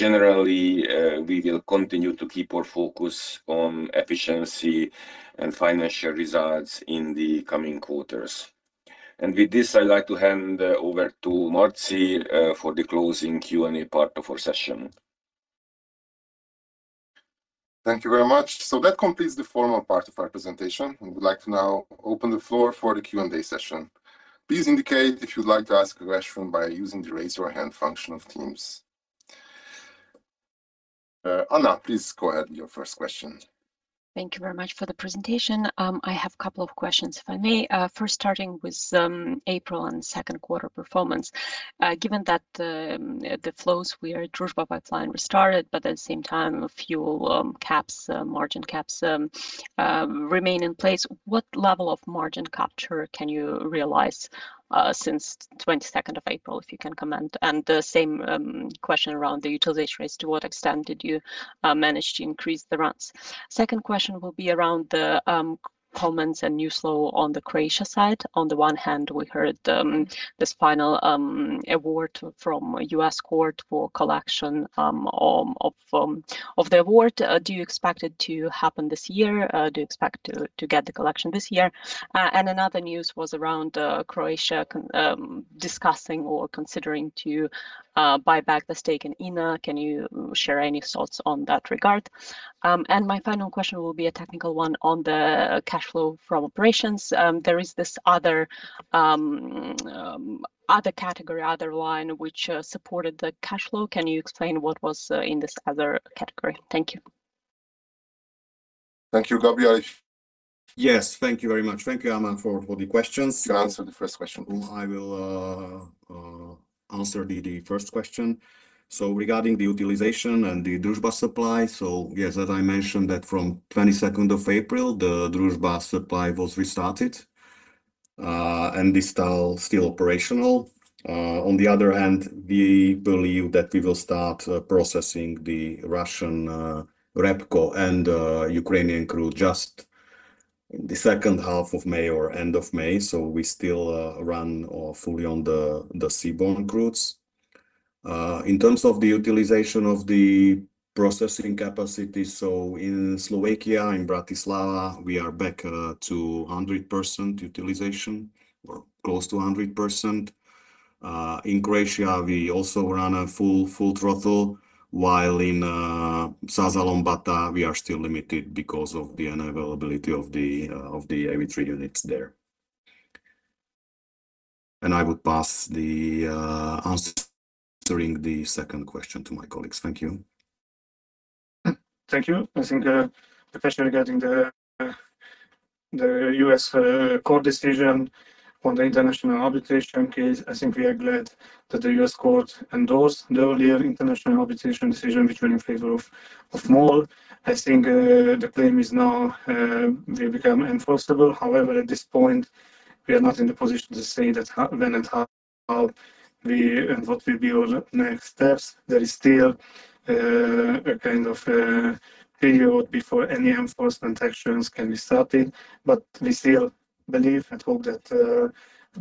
Generally, we will continue to keep our focus on efficiency and financial results in the coming quarters. With this, I'd like to hand over to [Marci] for the closing Q&A part of our session. Thank you very much. That completes the formal part of our presentation. We would like to now open the floor for the Q&A session. Please indicate if you'd like to ask a question by using the Raise Your Hand function of Teams. Anna, please go ahead with your first question. Thank you very much for the presentation. I have a couple of questions, if I may. First starting with April and second quarter performance. Given that the flows via Druzhba pipeline restarted, but at the same time, fuel caps, margin caps remain in place, what level of margin capture can you realize since 22nd of April, if you can comment? The same question around the utilization rates. To what extent did you manage to increase the runs? Second question will be around the comments and news flow on the Croatia side. On the one hand, we heard this final award from a U.S. court for collection of the award. Do you expect it to happen this year? Do you expect to get the collection this year? Another news was around Croatia discussing or considering to buy back the stake in INA. Can you share any thoughts on that regard? My final question will be a technical one on the cash flow from operations. Other category, other line which supported the cash flow. Can you explain what was in this other category? Thank you. Thank you, Gabi. Yes, thank you very much. Thank you, Anna, for the questions. You answer the first question, please. I will answer the first question. Regarding the utilization and the Druzhba supply, yes, as I mentioned that from 22nd of April, the Druzhba supply was restarted and is still operational. On the other hand, we believe that we will start processing the Russian REBCO and Ukrainian crude just the second half of May or end of May. We still run fully on the seaborne routes. In terms of the utilization of the processing capacity, in Slovakia, in Bratislava, we are back to 100% utilization or close to 100%. In Croatia we also run a full throttle, while in Százhalombatta we are still limited because of the unavailability of the AV3 units there. I would pass the answering the second question to my colleagues. Thank you. Thank you. I think, especially regarding the U.S. court decision on the international arbitration case, I think we are glad that the U.S. court endorsed the earlier international arbitration decision in favor of MOL. I think, the claim is now, will become enforceable. However, at this point, we are not in a position to say that when and how we, and what will be our next steps. There is still, a kind of a period before any enforcement actions can be started. We still believe and hope that,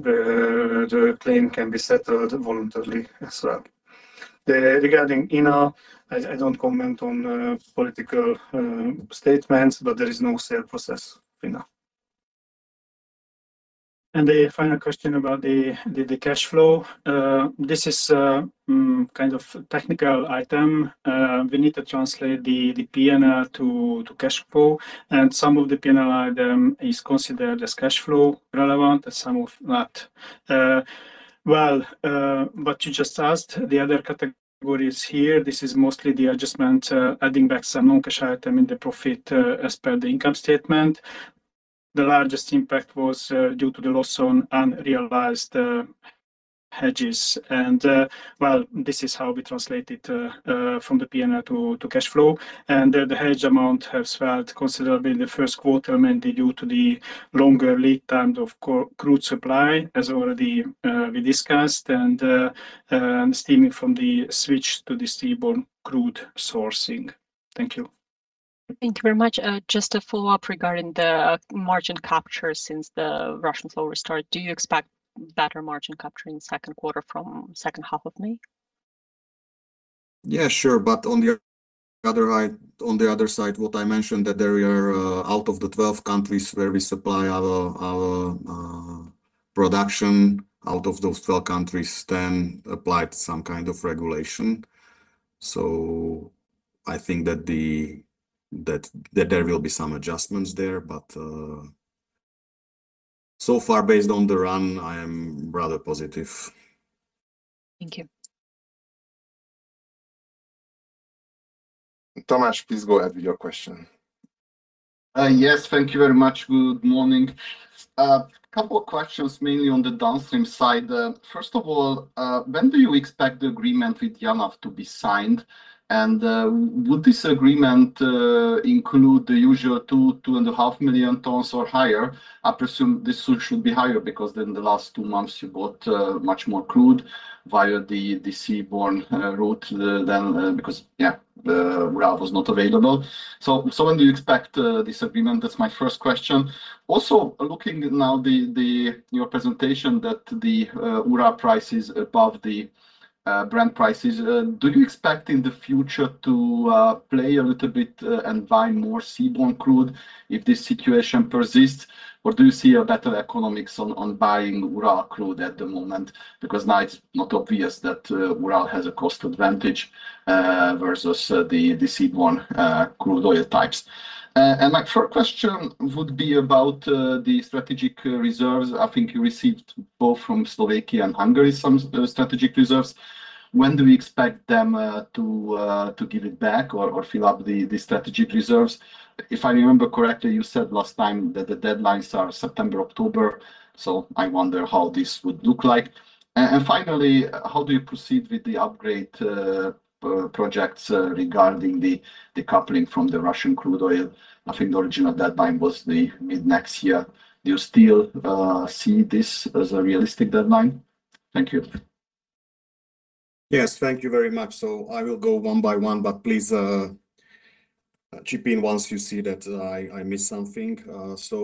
the claim can be settled voluntarily as well. Regarding INA, I don't comment on political statements. There is no sale process for now. The final question about the cash flow. This is, a kind of technical item. We need to translate the P&L to cash flow, and some of the P&L item is considered as cash flow relevant and some of not. Well, what you just asked, the other categories here, this is mostly the adjustment, adding back some non-cash item in the profit, as per the income statement. The largest impact was due to the loss on unrealized hedges. Well, this is how we translate it from the P&L to cash flow. The hedge amount has swelled considerably in the first quarter, mainly due to the longer lead times of crude supply, as already we discussed and stemming from the switch to the seaborne crude sourcing. Thank you. Thank you very much. Just a follow-up regarding the margin capture since the Russian flow restart. Do you expect better margin capture in the second quarter from second half of May? Yeah, sure. On the other side, what I mentioned that there are, out of the 12 countries where we supply our production, out of those 12 countries, 10 applied some kind of regulation. I think that there will be some adjustments there, but so far, based on the run, I am rather positive. Thank you. Tamás, please go ahead with your question. Yes. Thank you very much. Good morning. Couple questions mainly on the downstream side. First of all, when do you expect the agreement with JANAF to be signed? Would this agreement include the usual 2.5 million tons or higher? I presume this should be higher because in the last two months you bought much more crude via the seaborne route than because, yeah, the Urals was not available. When do you expect this agreement? That's my first question. Looking now your presentation that the Urals price is above the Brent prices, do you expect in the future to play a little bit and buy more seaborne crude if this situation persists? Do you see a better economics on buying Urals crude at the moment? Now it's not obvious that Urals has a cost advantage versus the seaborne crude oil types. My third question would be about the strategic reserves. I think you received both from Slovakia and Hungary some strategic reserves. When do we expect them to give it back or fill up the strategic reserves? If I remember correctly, you said last time that the deadlines are September, October, so I wonder how this would look like. Finally, how do you proceed with the upgrade projects regarding the decoupling from the Russian crude oil? I think the original deadline was the mid-next year. Do you still see this as a realistic deadline? Thank you. Yes, thank you very much. I will go one by one, but please chip in once you see that I missed something.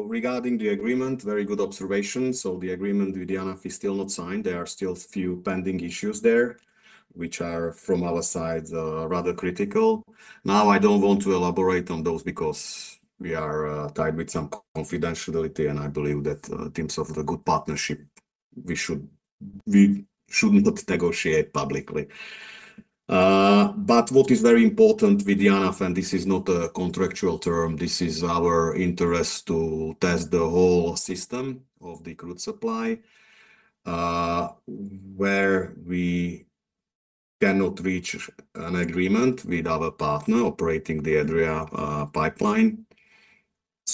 Regarding the agreement, very good observation. The agreement with JANAF is still not signed. There are still few pending issues there, which are, from our side, rather critical. I don't want to elaborate on those because we are tied with some confidentiality, and I believe that in terms of the good partnership, we should not negotiate publicly. What is very important with JANAF, and this is not a contractual term, this is our interest to test the whole system of the crude supply, where we cannot reach an agreement with our partner operating the Adria pipeline.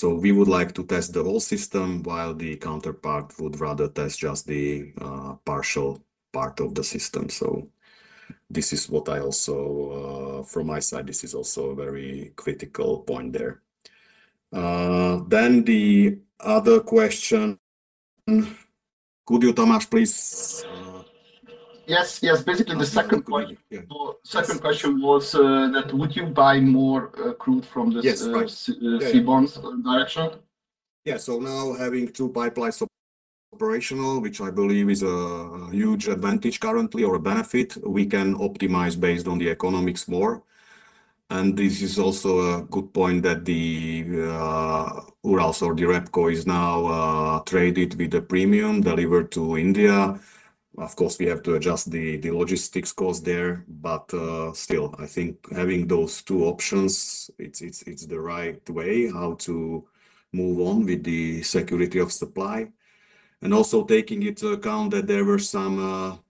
We would like to test the whole system, while the counterpart would rather test just the partial part of the system. This is what I also, from my side, this is also a very critical point there. The other question, could you, Tamás, please? Yes, yes. Basically, the second point. Yeah Second question was, that would you buy more, crude. Yes, right. seaborne direction? Now having two pipelines operational, which I believe is a huge advantage currently or a benefit, we can optimize based on the economics more. This is also a good point that the Urals or the REBCO is now traded with a premium delivered to India. Of course, we have to adjust the logistics cost there, but still, I think having those two options, it's the right way how to move on with the security of supply. Also taking into account that there were some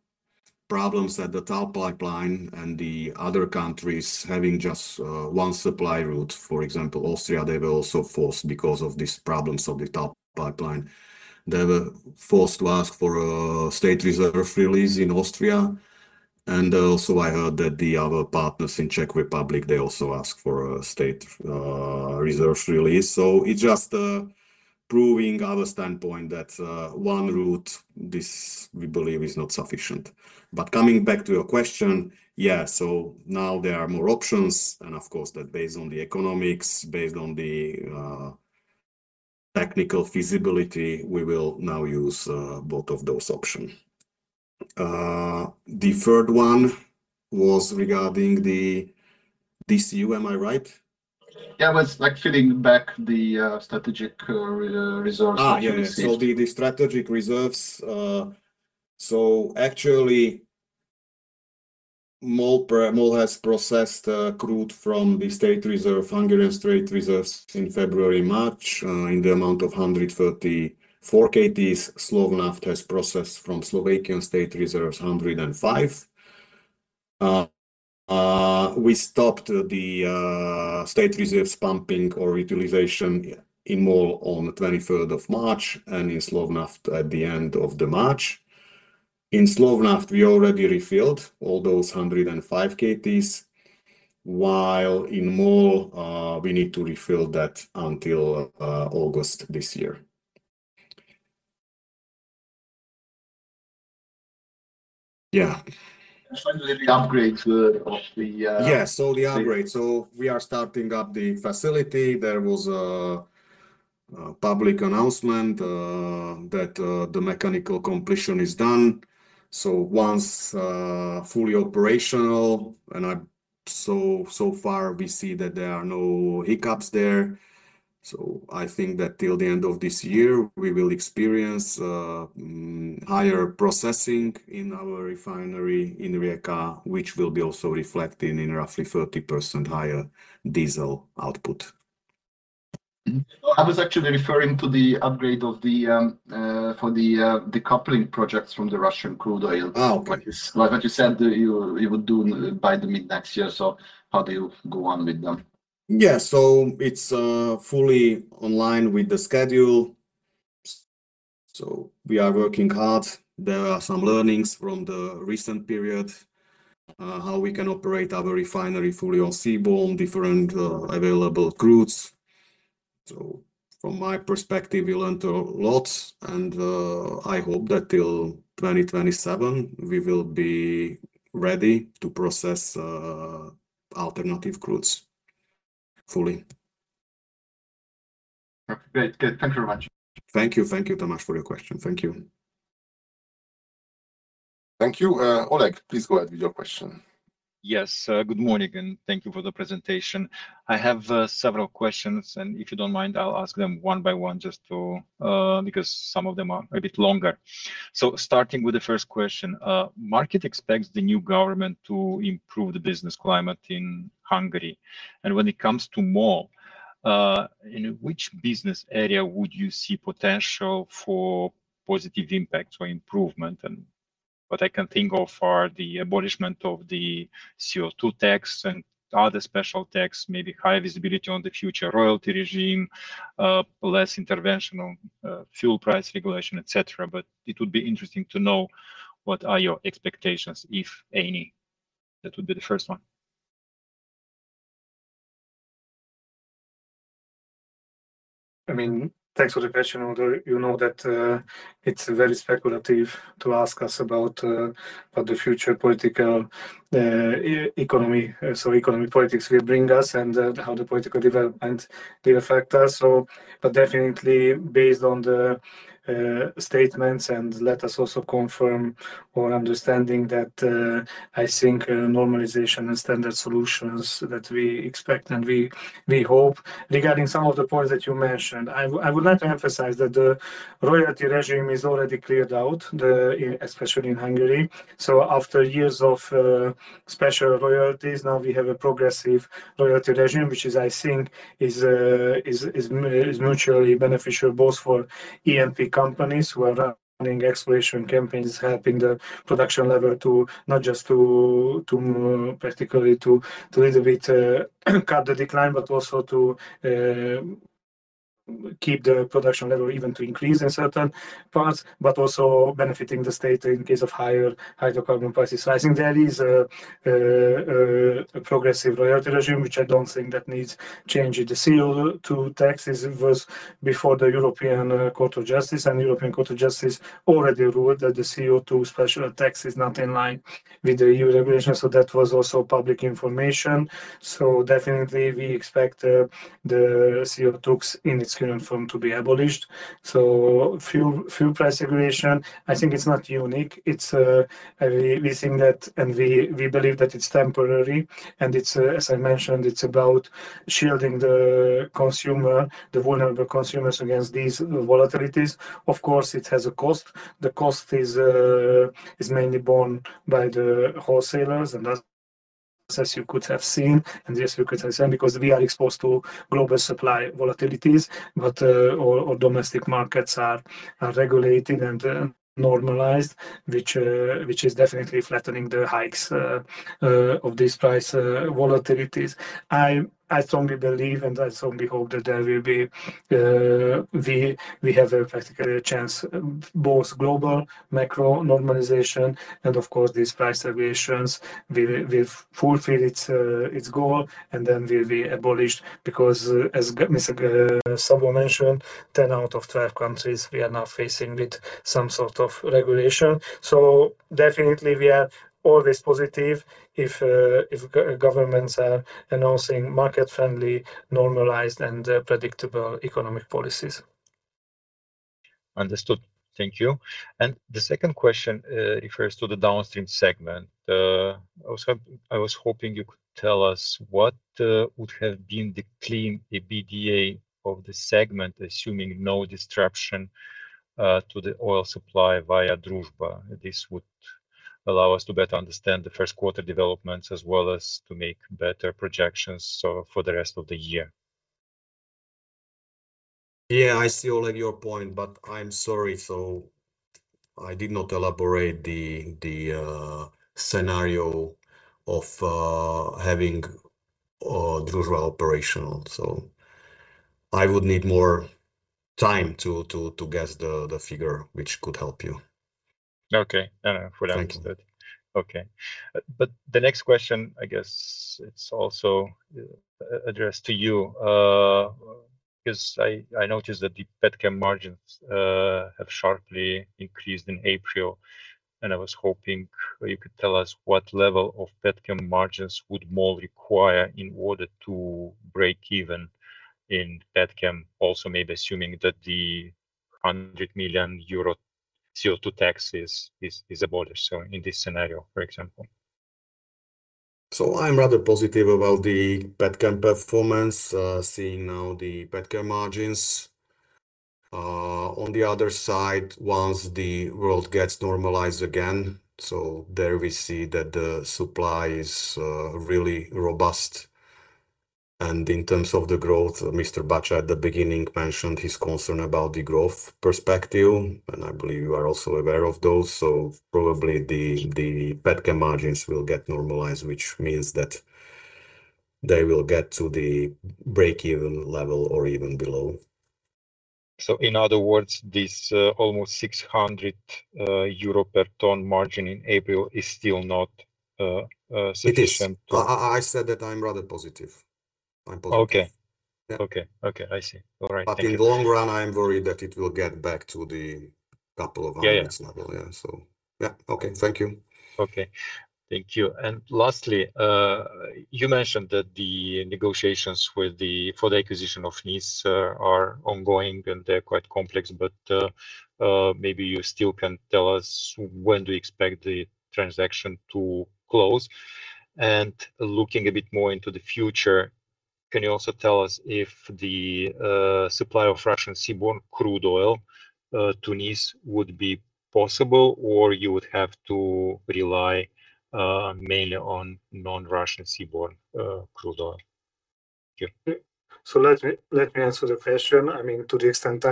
problems at the TAL pipeline and the other countries having just one supply route. For example, Austria, they were also forced because of these problems of the TAL pipeline. They were forced to ask for a state reserve release in Austria. Also I heard that the other partners in Czech Republic, they also asked for a state reserve release. It's just proving our standpoint that one route, this we believe is not sufficient. Coming back to your question, now there are more options and of course that based on the economics, based on the technical feasibility, we will now use both of those option. The third one was regarding the DCU. Am I right? Yeah. It was like feeding back the strategic reserves that you received. Yes. The strategic reserves. Actually, MOL has processed crude from the state reserve, Hungarian state reserves in February, March, in the amount of 144kt. Slovnaft has processed from Slovakian state reserves, 105. We stopped the state reserves pumping or utilization in MOL on 23rd of March, and in Slovnaft at the end of March. In Slovnaft, we already refilled all those 105kt, while in MOL, we need to refill that until August this year. Finally, the upgrades of the. Yes. The upgrade. We are starting up the facility. There was a public announcement that the mechanical completion is done. Once fully operational, so far we see that there are no hiccups there. I think that till the end of this year we will experience higher processing in our refinery in Rijeka, which will be also reflecting in roughly 30% higher diesel output. I was actually referring to the upgrade for the decoupling projects from the Russian crude oil. Oh, okay. Yes. Like what you said, you would do by the mid next year. How do you go on with them? Yeah. It's fully online with the schedule. We are working hard. There are some learnings from the recent period, how we can operate our refinery fully on seaborne, different, available crudes. From my perspective, we learned a lot and I hope that till 2027 we will be ready to process alternative crudes fully. Okay. Great. Good. Thank you very much. Thank you. Thank you, Tamás for your question. Thank you. Thank you. Oleg, please go ahead with your question. Yes. Good morning, and thank you for the presentation. I have several questions. If you don't mind, I'll ask them one by one just to, because some of them are a bit longer. Starting with the first question. Market expects the new government to improve the business climate in Hungary. When it comes to MOL, in which business area would you see potential for positive impact or improvement? What I can think of are the abolishment of the CO2 tax and other special tax, maybe higher visibility on the future royalty regime, less interventional fuel price regulation, et cetera. It would be interesting to know what are your expectations, if any. That would be the first one. I mean, thanks for the question, Oleg. You know that, it's very speculative to ask us about the future political economy, so economy politics will bring us and how the political development will affect us. But definitely based on the statements, and let us also confirm our understanding that I think normalization and standard solutions that we expect and we hope. Regarding some of the points that you mentioned, I would like to emphasize that the royalty regime is already cleared out, the, especially in Hungary. After years of special royalties, now we have a progressive royalty regime, which is I think is mutually beneficial both for E&P companies who are running exploration campaigns, helping the production level to not just to a little bit cut the decline, but also to keep the production level even to increase in certain parts, but also benefiting the state in case of higher hydrocarbon prices rising. There is a progressive royalty regime, which I don't think that needs changing. The CO2 tax was before the European Court of Justice. European Court of Justice already ruled that the CO2 special tax is not in line with the EU regulation. That was also public information. Definitely we expect the CO2 tax in its current form to be abolished. Fuel price regulation, I think it's not unique. We think that, and we believe that it's temporary, and it's, as I mentioned, it's about shielding the consumer, the vulnerable consumers against these volatilities. Of course, it has a cost. The cost is mainly borne by the wholesalers, and as you could have seen because we are exposed to global supply volatilities. Our domestic markets are regulated and normalized, which is definitely flattening the hikes of these price volatilities. I strongly believe, and I strongly hope that there will be, we have a practical chance, both global macro normalization and of course these price regulations will fulfill its goal, and then will be abolished. As Mr. Szabó mentioned, 10 out of 12 countries we are now facing with some sort of regulation. Definitely we are always positive if governments are announcing market-friendly, normalized and predictable economic policies. Understood. Thank you. The second question refers to the downstream segment. I was hoping you could tell us what would have been the clean EBITDA of the segment, assuming no disruption to the oil supply via Druzhba. This would allow us to better understand the first quarter developments as well as to make better projections for the rest of the year. I see all of your point, I'm sorry. I did not elaborate the scenario of having Druzhba operational. I would need more time to guess the figure, which could help you. Okay. No, no. Thank you. Fully understood. Okay. The next question, I guess, it's also addressed to you, because I noticed that the petchem margins have sharply increased in April, and I was hoping you could tell us what level of petchem margins would MOL require in order to break even in petchem. Also, maybe assuming that the 100 million euro CO2 tax is abolished, so in this scenario, for example. I'm rather positive about the petchem performance, seeing now the petchem margins. On the other side, once the world gets normalized again, there we see that the supply is really robust. In terms of the growth, Mr. Bacsa at the beginning mentioned his concern about the growth perspective, and I believe you are also aware of those. Probably the petchem margins will get normalized, which means that they will get to the break-even level or even below. In other words, this almost 600 euro per ton margin in April is still not sufficient to- It is. I said that I'm rather positive. I'm positive. Okay. Yeah. Okay. Okay. I see. All right. Thank you. In the long run, I'm worried that it will get back to the couple of. Yeah, yeah. months level. Yeah. Yeah. Okay. Thank you. Okay. Thank you. Lastly, you mentioned that the negotiations for the acquisition of NIS are ongoing, and they're quite complex, but maybe you still can tell us when do you expect the transaction to close? Looking a bit more into the future, can you also tell us if the supply of Russian seaborne crude oil to NIS would be possible, or you would have to rely mainly on non-Russian seaborne crude oil? Yeah. Let me, let me answer the question. I mean, to the extent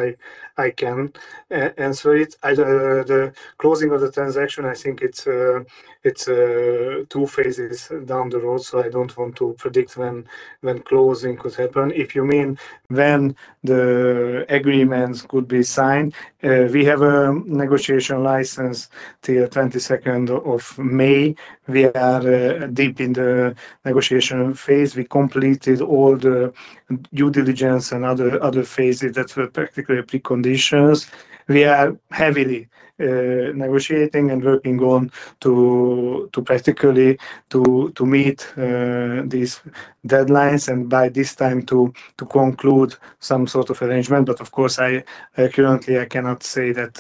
I can answer it. The closing of the transaction, I think it's two phases down the road, so I don't want to predict when closing could happen. If you mean when the agreements could be signed, we have a negotiation license till 22nd of May. We are deep in the negotiation phase. We completed all the due diligence and other phases that were practically preconditions. We are heavily negotiating and working on to practically to meet these deadlines and by this time to conclude some sort of arrangement. Of course, I, currently I cannot say that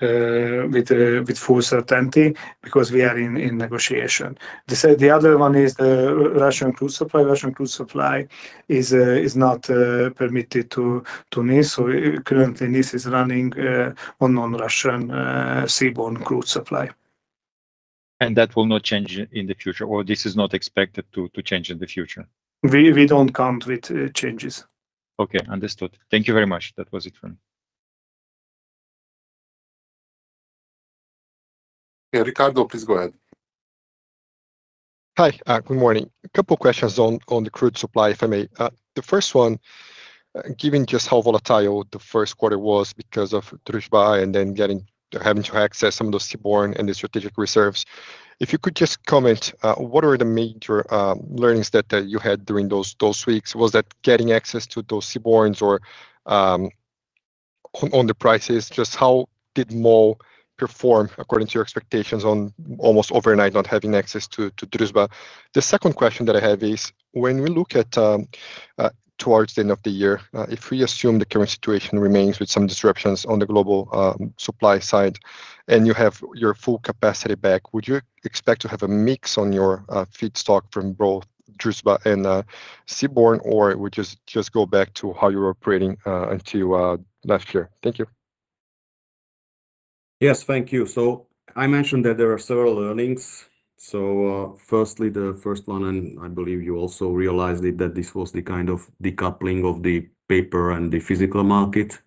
with full certainty because we are in negotiation. The other one is the Russian crude supply. Russian crude supply is not permitted to NIS. Currently NIS is running on non-Russian seaborne crude supply. That will not change in the future, or this is not expected to change in the future? We don't count with changes. Okay. Understood. Thank you very much. That was it from me. Yeah, Ricardo, please go ahead. Hi, good morning. A couple questions on the crude supply, if I may. The first one, given just how volatile the first quarter was because of Druzhba and then having to access some of those seaborne and the strategic reserves, if you could just comment, what are the major learnings that you had during those weeks? Was that getting access to those seabornes or on the prices, just how did MOL perform according to your expectations on almost overnight not having access to Druzhba? The second question that I have is, when we look at towards the end of the year, if we assume the current situation remains with some disruptions on the global supply side, and you have your full capacity back, would you expect to have a mix on your feedstock from both Druzhba and seaborne, or would you just go back to how you were operating until last year? Thank you. Yes. Thank you. I mentioned that there are several learnings. Firstly, the first one, and I believe you also realized it, that this was the kind of decoupling of the paper and the physical market.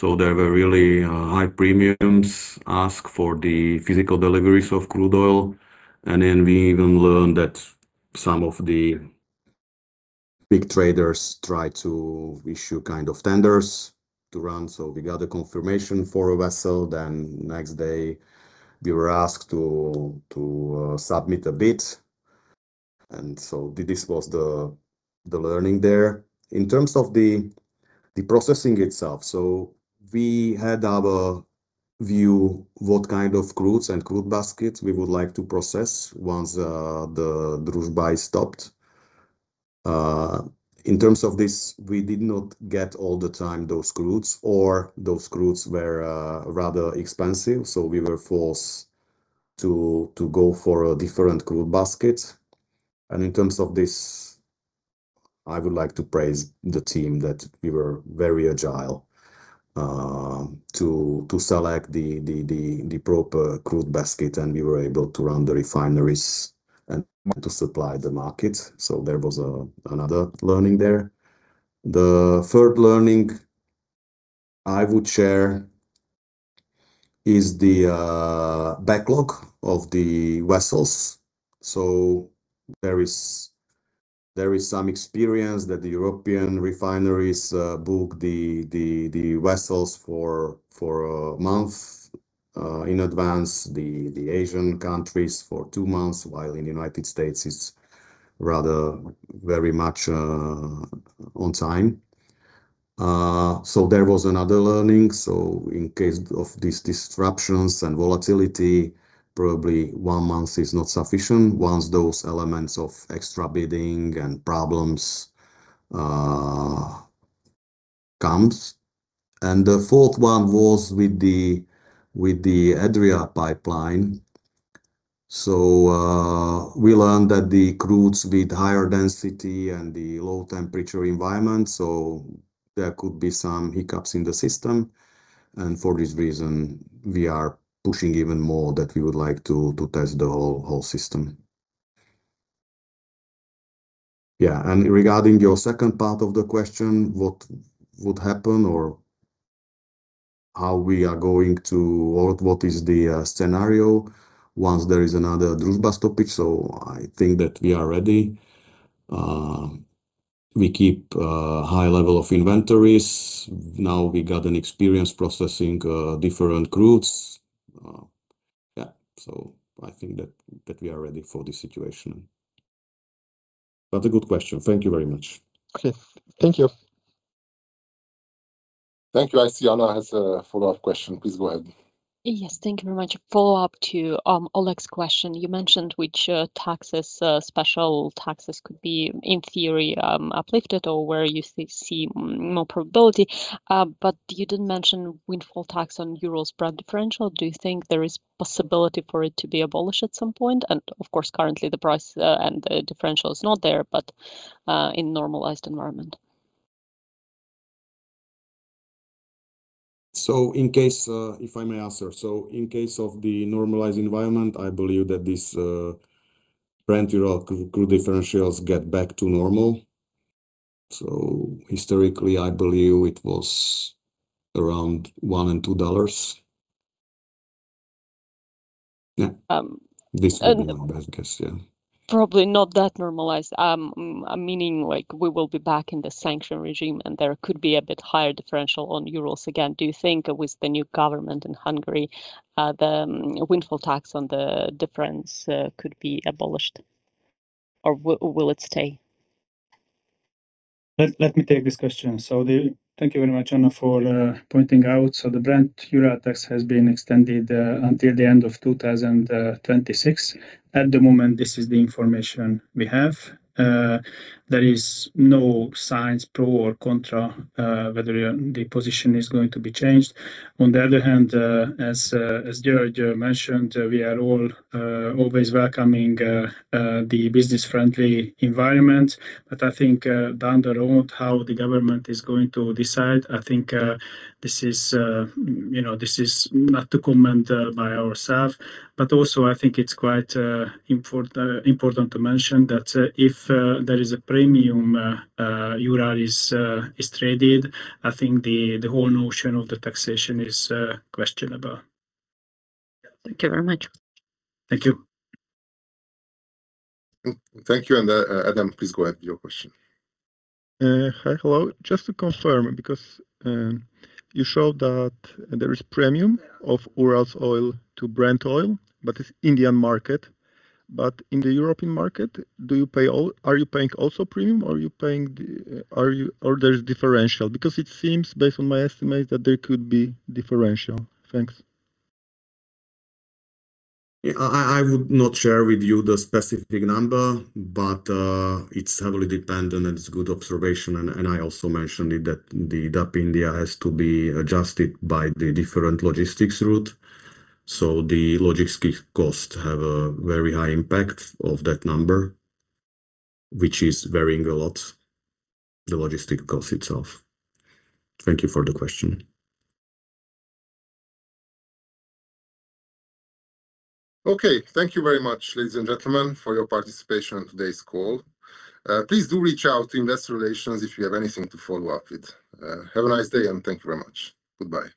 There were really high premiums asked for the physical deliveries of crude oil. Then we even learned that some of the big traders tried to issue kind of tenders to run, so we got a confirmation for a vessel, then next day we were asked to submit a bid. This was the learning there. In terms of the processing itself, we had our view what kind of crudes and crude baskets we would like to process once the Druzhba is stopped. In terms of this, we did not get all the time those crudes or those crudes were rather expensive, so we were forced to go for a different crude basket. In terms of this, I would like to praise the team that we were very agile to select the proper crude basket, and we were able to run the refineries and to supply the market. There was another learning there. The third learning I would share is the backlog of the vessels. There is some experience that the European refineries book the vessels for one month in advance. The Asian countries for two months, while in the U.S. it's rather very much on time. There was another learning. In case of these disruptions and volatility, probably one month is not sufficient once those elements of extra bidding and problems comes. The fourth one was with the Adria pipeline. We learned that the crudes with higher density and the low temperature environment, so there could be some hiccups in the system. For this reason, we are pushing even more that we would like to test the whole system. Yeah. Regarding your second part of the question, what would happen or how we are going to or what is the scenario once there is another Druzhba stoppage. I think that we are ready. We keep a high level of inventories. Now we got an experience processing different crudes. Yeah. I think that we are ready for this situation. A good question. Thank you very much. Okay. Thank you. Thank you. I see Anna has a follow-up question. Please go ahead. Yes. Thank you very much. A follow-up to Oleg's question. You mentioned which taxes, special taxes could be in theory, uplifted or where you see more probability. You didn't mention windfall tax on Urals spread differential. Do you think there is possibility for it to be abolished at some point? Of course, currently the price, and the differential is not there, but in normalized environment. In case, if I may answer. In case of the normalized environment, I believe that this Brent to Urals crude differentials get back to normal. Historically, I believe it was around $1 and $2. This would be my best guess, yeah. Probably not that normalized. Meaning like we will be back in the sanction regime, and there could be a bit higher differential on Urals again. Do you think with the new government in Hungary, the windfall tax on the difference, could be abolished or will it stay? Let me take this question. Thank you very much, Anna, for pointing out. The Brent-Urals tax has been extended until the end of 2026. At the moment, this is the information we have. There is no signs pro or contra whether the position is going to be changed. On the other hand, as George mentioned, we are all always welcoming the business-friendly environment. I think down the road, how the government is going to decide, I think this is, you know, this is not to comment by ourselves, but also I think it's quite important to mention that if there is a premium, Urals is traded, I think the whole notion of the taxation is questionable. Thank you very much. Thank you. Thank you. Adam, please go ahead with your question. Hi. Hello. Just to confirm, because you showed that there is premium of Urals oil to Brent oil, but it's Indian market. In the European market, are you paying also premium, or are you paying, or there is differential? It seems, based on my estimate, that there could be differential. Thanks. I would not share with you the specific number, but it's heavily dependent, and it's good observation. I also mentioned it that the DAP India has to be adjusted by the different logistics route. The logistics cost have a very high impact of that number, which is varying a lot, the logistic cost itself. Thank you for the question. Okay. Thank you very much, ladies and gentlemen, for your participation on today's call. Please do reach out to Investor Relations if you have anything to follow up with. Have a nice day, and thank you very much. Goodbye.